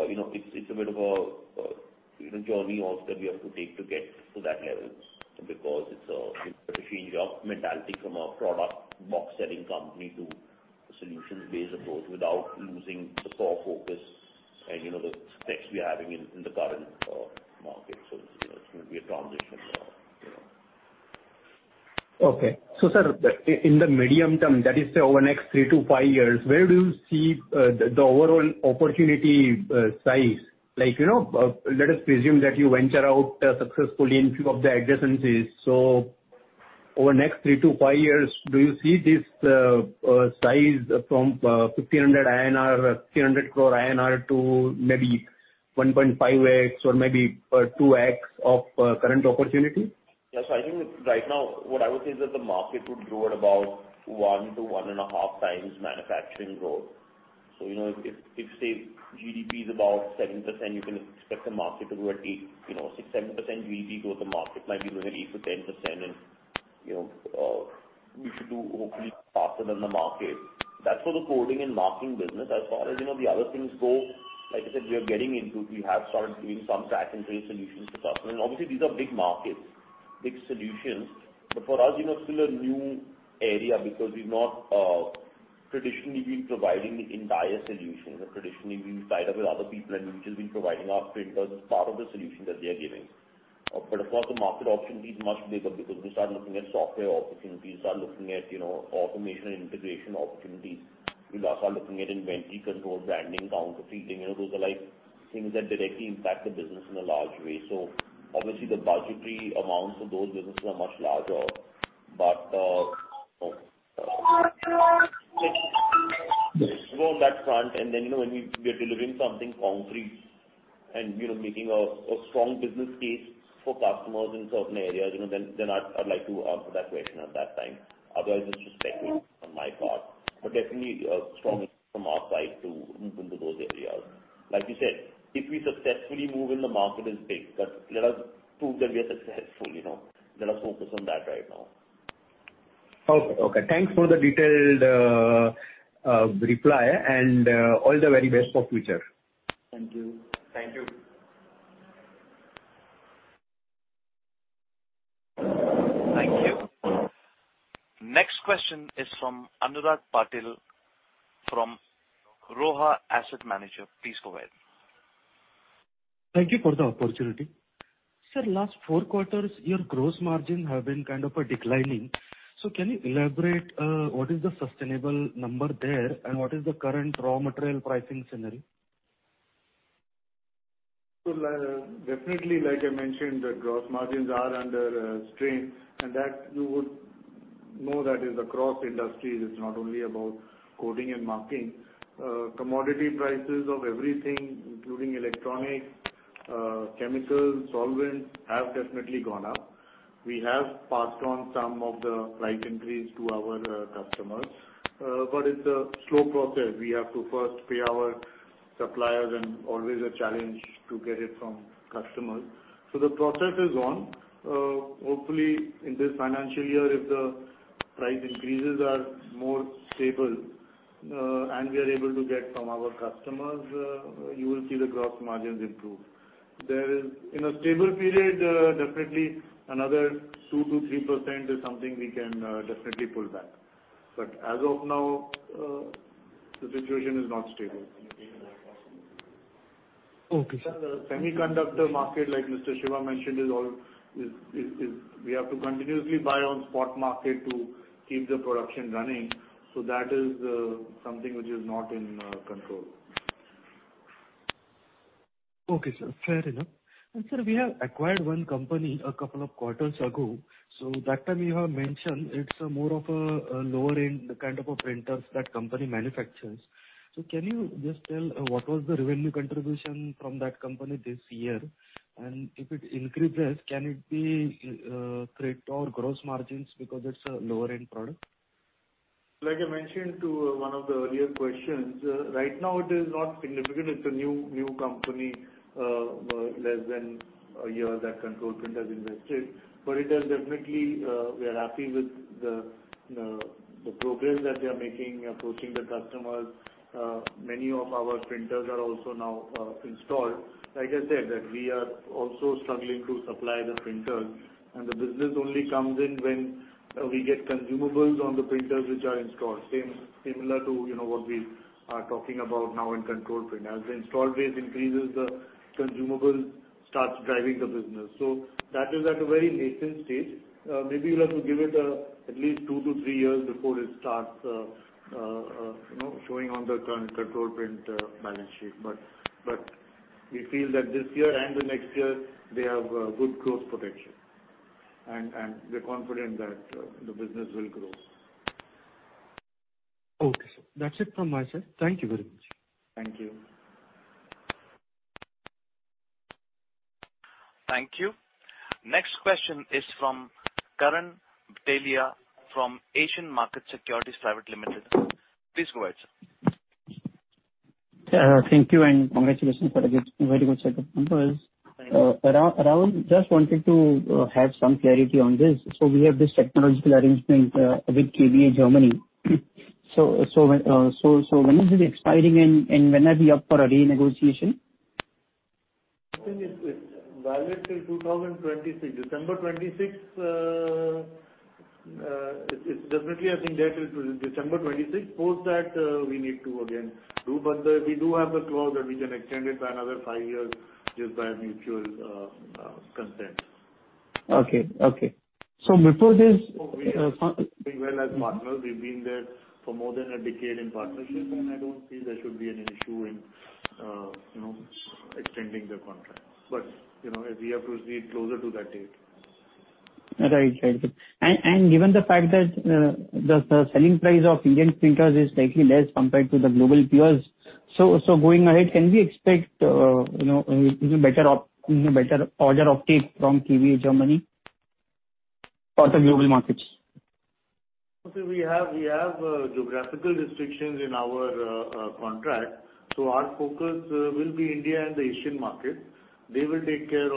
you know it's a bit of a journey also that we have to take to get to that levels because it's a we've got to change our mentality from a product box selling company to a solutions-based approach without losing the core focus and you know the strengths we are having in the current market. It's you know it's gonna be a transition you know. Okay. Sir, in the medium term, that is, say, overtnext three to five years, where do you see the overall opportunity size? Like, you know, let us presume that you venture out successfully in few of the adjacencies. Over next three to five years, do you see this size from 1,500 crore INR to maybe 1.5x or maybe 2x of current opportunity? Yes. I think right now what I would say is that the market would grow at about 1x to 1.5x manufacturing growth. You know, if say GDP is about 7%, you can expect the market to grow at 8%, you know, 6% to 7% GDP growth, the market might be growing at 8% to 10% and, you know, we should do hopefully faster than the market. That's for the coding and marking business. As far as, you know, the other things go, like I said, we are getting into, we have started doing some track and trace solutions for customers. Obviously, these are big markets, big solutions, but for us, you know, still a new area because we've not traditionally been providing the entire solution. Traditionally, we've tied up with other people, and we've just been providing our printers as part of the solution that they are giving. Of course, the market opportunity is much bigger because we start looking at software opportunities, start looking at, you know, automation integration opportunities. We also are looking at inventory control, branding, counterfeiting. You know, those are like things that directly impact the business in a large way. Obviously, the budgetary amounts of those businesses are much larger. You know let's go on that front, and then, you know, when we are delivering something concrete and, you know, making a strong business case for customers in certain areas, you know, then I'd like to answer that question at that time. Otherwise, it's just speculating on my part. Definitely, strong interest from our side to move into those areas. Like you said, if we successfully move in, the market is big. Let us prove that we are successful, you know. Let us focus on that right now. Okay. Thanks for the detailed reply, and all the very best for future. Thank you. Thank you. Thank you. Next question is from Anurag Patil from Roha Asset Managers. Please go ahead. Thank you for the opportunity. Sir, last four quarters, your gross margin have been kind of, declining. Can you elaborate what is the sustainable number there and what is the current raw material pricing scenario? Definitely, like I mentioned, the gross margins are under strain, and that you would know that is across industries. It's not only about coding and marking. Commodity prices of everything, including electronics, chemicals, solvents, have definitely gone up. We have passed on some of the price increase to our customers, but it's a slow process. We have to first pay our suppliers and always a challenge to get it from customers. The process is on. Hopefully in this financial year, if the price increases are more stable, and we are able to get from our customers, you will see the gross margins improve. There is. In a stable period, definitely another 2% to 3% is something we can definitely pull back. But as of now, the situation is not stable. Okay. Semiconductor market, like Mr. Shiva mentioned, is all we have to continuously buy on spot market to keep the production running, so that is something which is not in control. Okay, sir. Fair enough. Sir, we have acquired one company a couple of quarters ago. That time you have mentioned it's more of a lower end kind of printers that company manufactures. Can you just tell what was the revenue contribution from that company this year? And if it increases, can it be accretive to gross margins because it's a lower end product? Like I mentioned to one of the earlier questions, right now it is not significant. It's a new company, less than a year that Control Print has invested. It has definitely, we are happy with the progress that they are making approaching the customers. Many of our printers are also now installed. Like I said that we are also struggling to supply the printers, and the business only comes in when we get consumables on the printers which are installed. Similar to, you know, what we are talking about now in Control Print. As the install base increases, the consumable starts driving the business. That is at a very nascent stage. Maybe we'll have to give it at least two to three years before it starts you know showing on the current Control Print balance sheet. We feel that this year and the next year they have good growth potential and we're confident that the business will grow. Okay, sir. That's it from my side. Thank you very much. Thank you. Thank you. Next question is from Karan Bhatelia from Asian Markets Securities Private Limited. Please go ahead, sir. Thank you and congratulations for a good, very good set of numbers. Thank you. Just wanted to have some clarity on this. We have this technological arrangement with KBA-Metronic. When is it expiring and when are we up for a renegotiation? I think it's valid till 2023. 26 December 2023. It's definitely I think that till 26 December 2023. Post that, we do have a clause that we can extend it by another five years just by mutual consent. Okay. Before this. We have been doing well as partners. We've been there for more than a decade in partnership, and I don't feel there should be an issue in, you know, extending the contract. You know, we have to see it closer to that date. Right. Given the fact that the selling price of Indian printers is slightly less compared to the global peers, so going ahead, can we expect, you know, even better order uptake from KBA-Metronic for the global markets? We have geographical restrictions in our contract. Our focus will be India and the Asian market. They will take care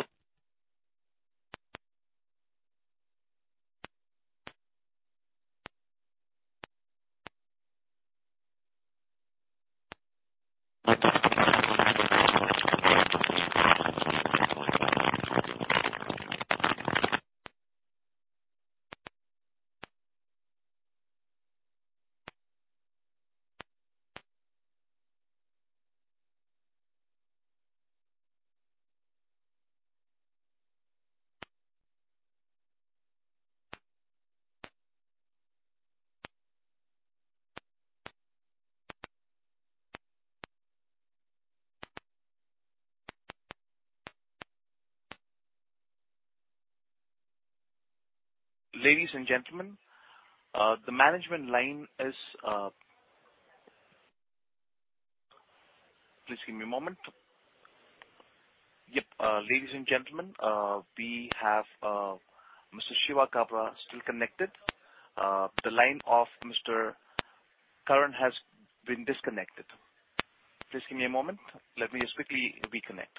of... Ladies and gentlemen, the management line is. Please give me a moment. Yep. Ladies and gentlemen, we have Mr. Shiva Kabra still connected. The line of Mr. Karan has been disconnected. Please give me a moment. Let me just quickly reconnect.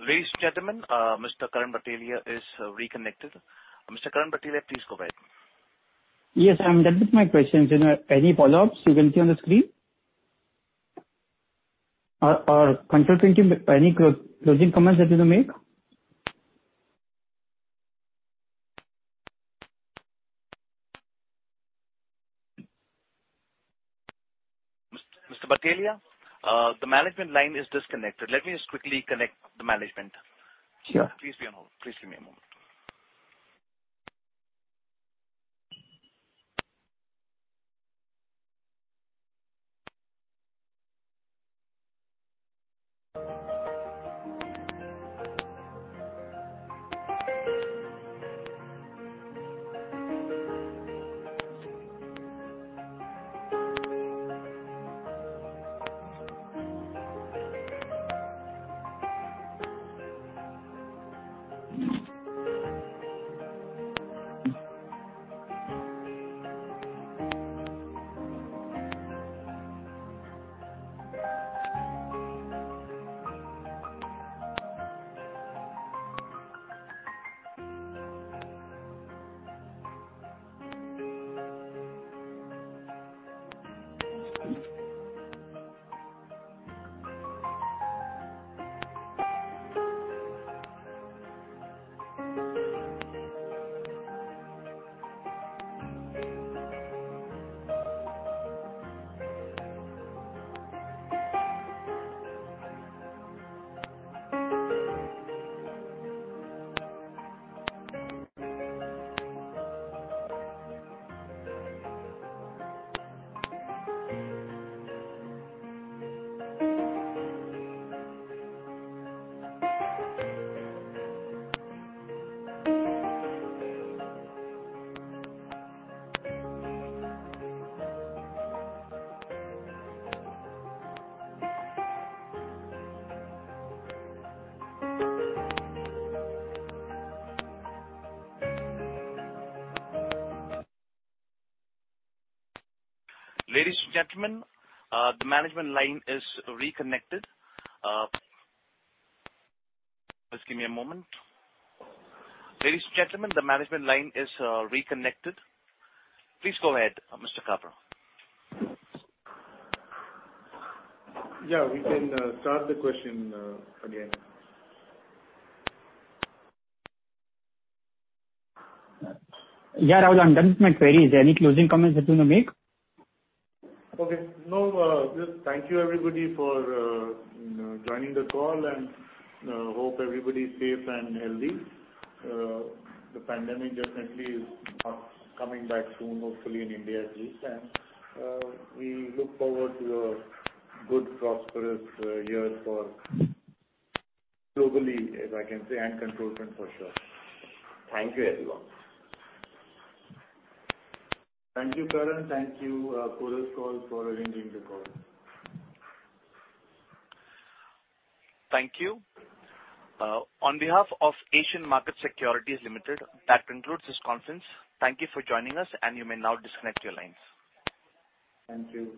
Hello. Ladies and gentlemen, Mr. Karan Batelia is reconnected. Mr. Karan Batelia, please go ahead. Yes, I'm done with my questions. Any follow-ups, you can see on the screen. Or Control Print, any closing comments that you want to make? Mr. Batelia, the management line is disconnected. Let me just quickly connect the management. Sure. Please be on hold. Please give me a moment. Ladies and gentlemen, the management line is reconnected. Please go ahead, Mr. Kabra. Yeah, we can start the question again. Yeah, Rahul, I'm done with my queries. Any closing comments that you want to make? Okay. No, just thank you, everybody, for, you know, joining the call, and hope everybody is safe and healthy. The pandemic definitely is not coming back soon, hopefully in India at least. We look forward to a good, prosperous year for globally, if I can say, and Control Print for sure. Thank you, everyone. Thank you, Karan. Thank you, Chorus Call, for arranging the call. Thank you. On behalf of Asian Markets Securities Private Limited, that concludes this conference. Thank you for joining us, and you may now disconnect your lines. Thank you.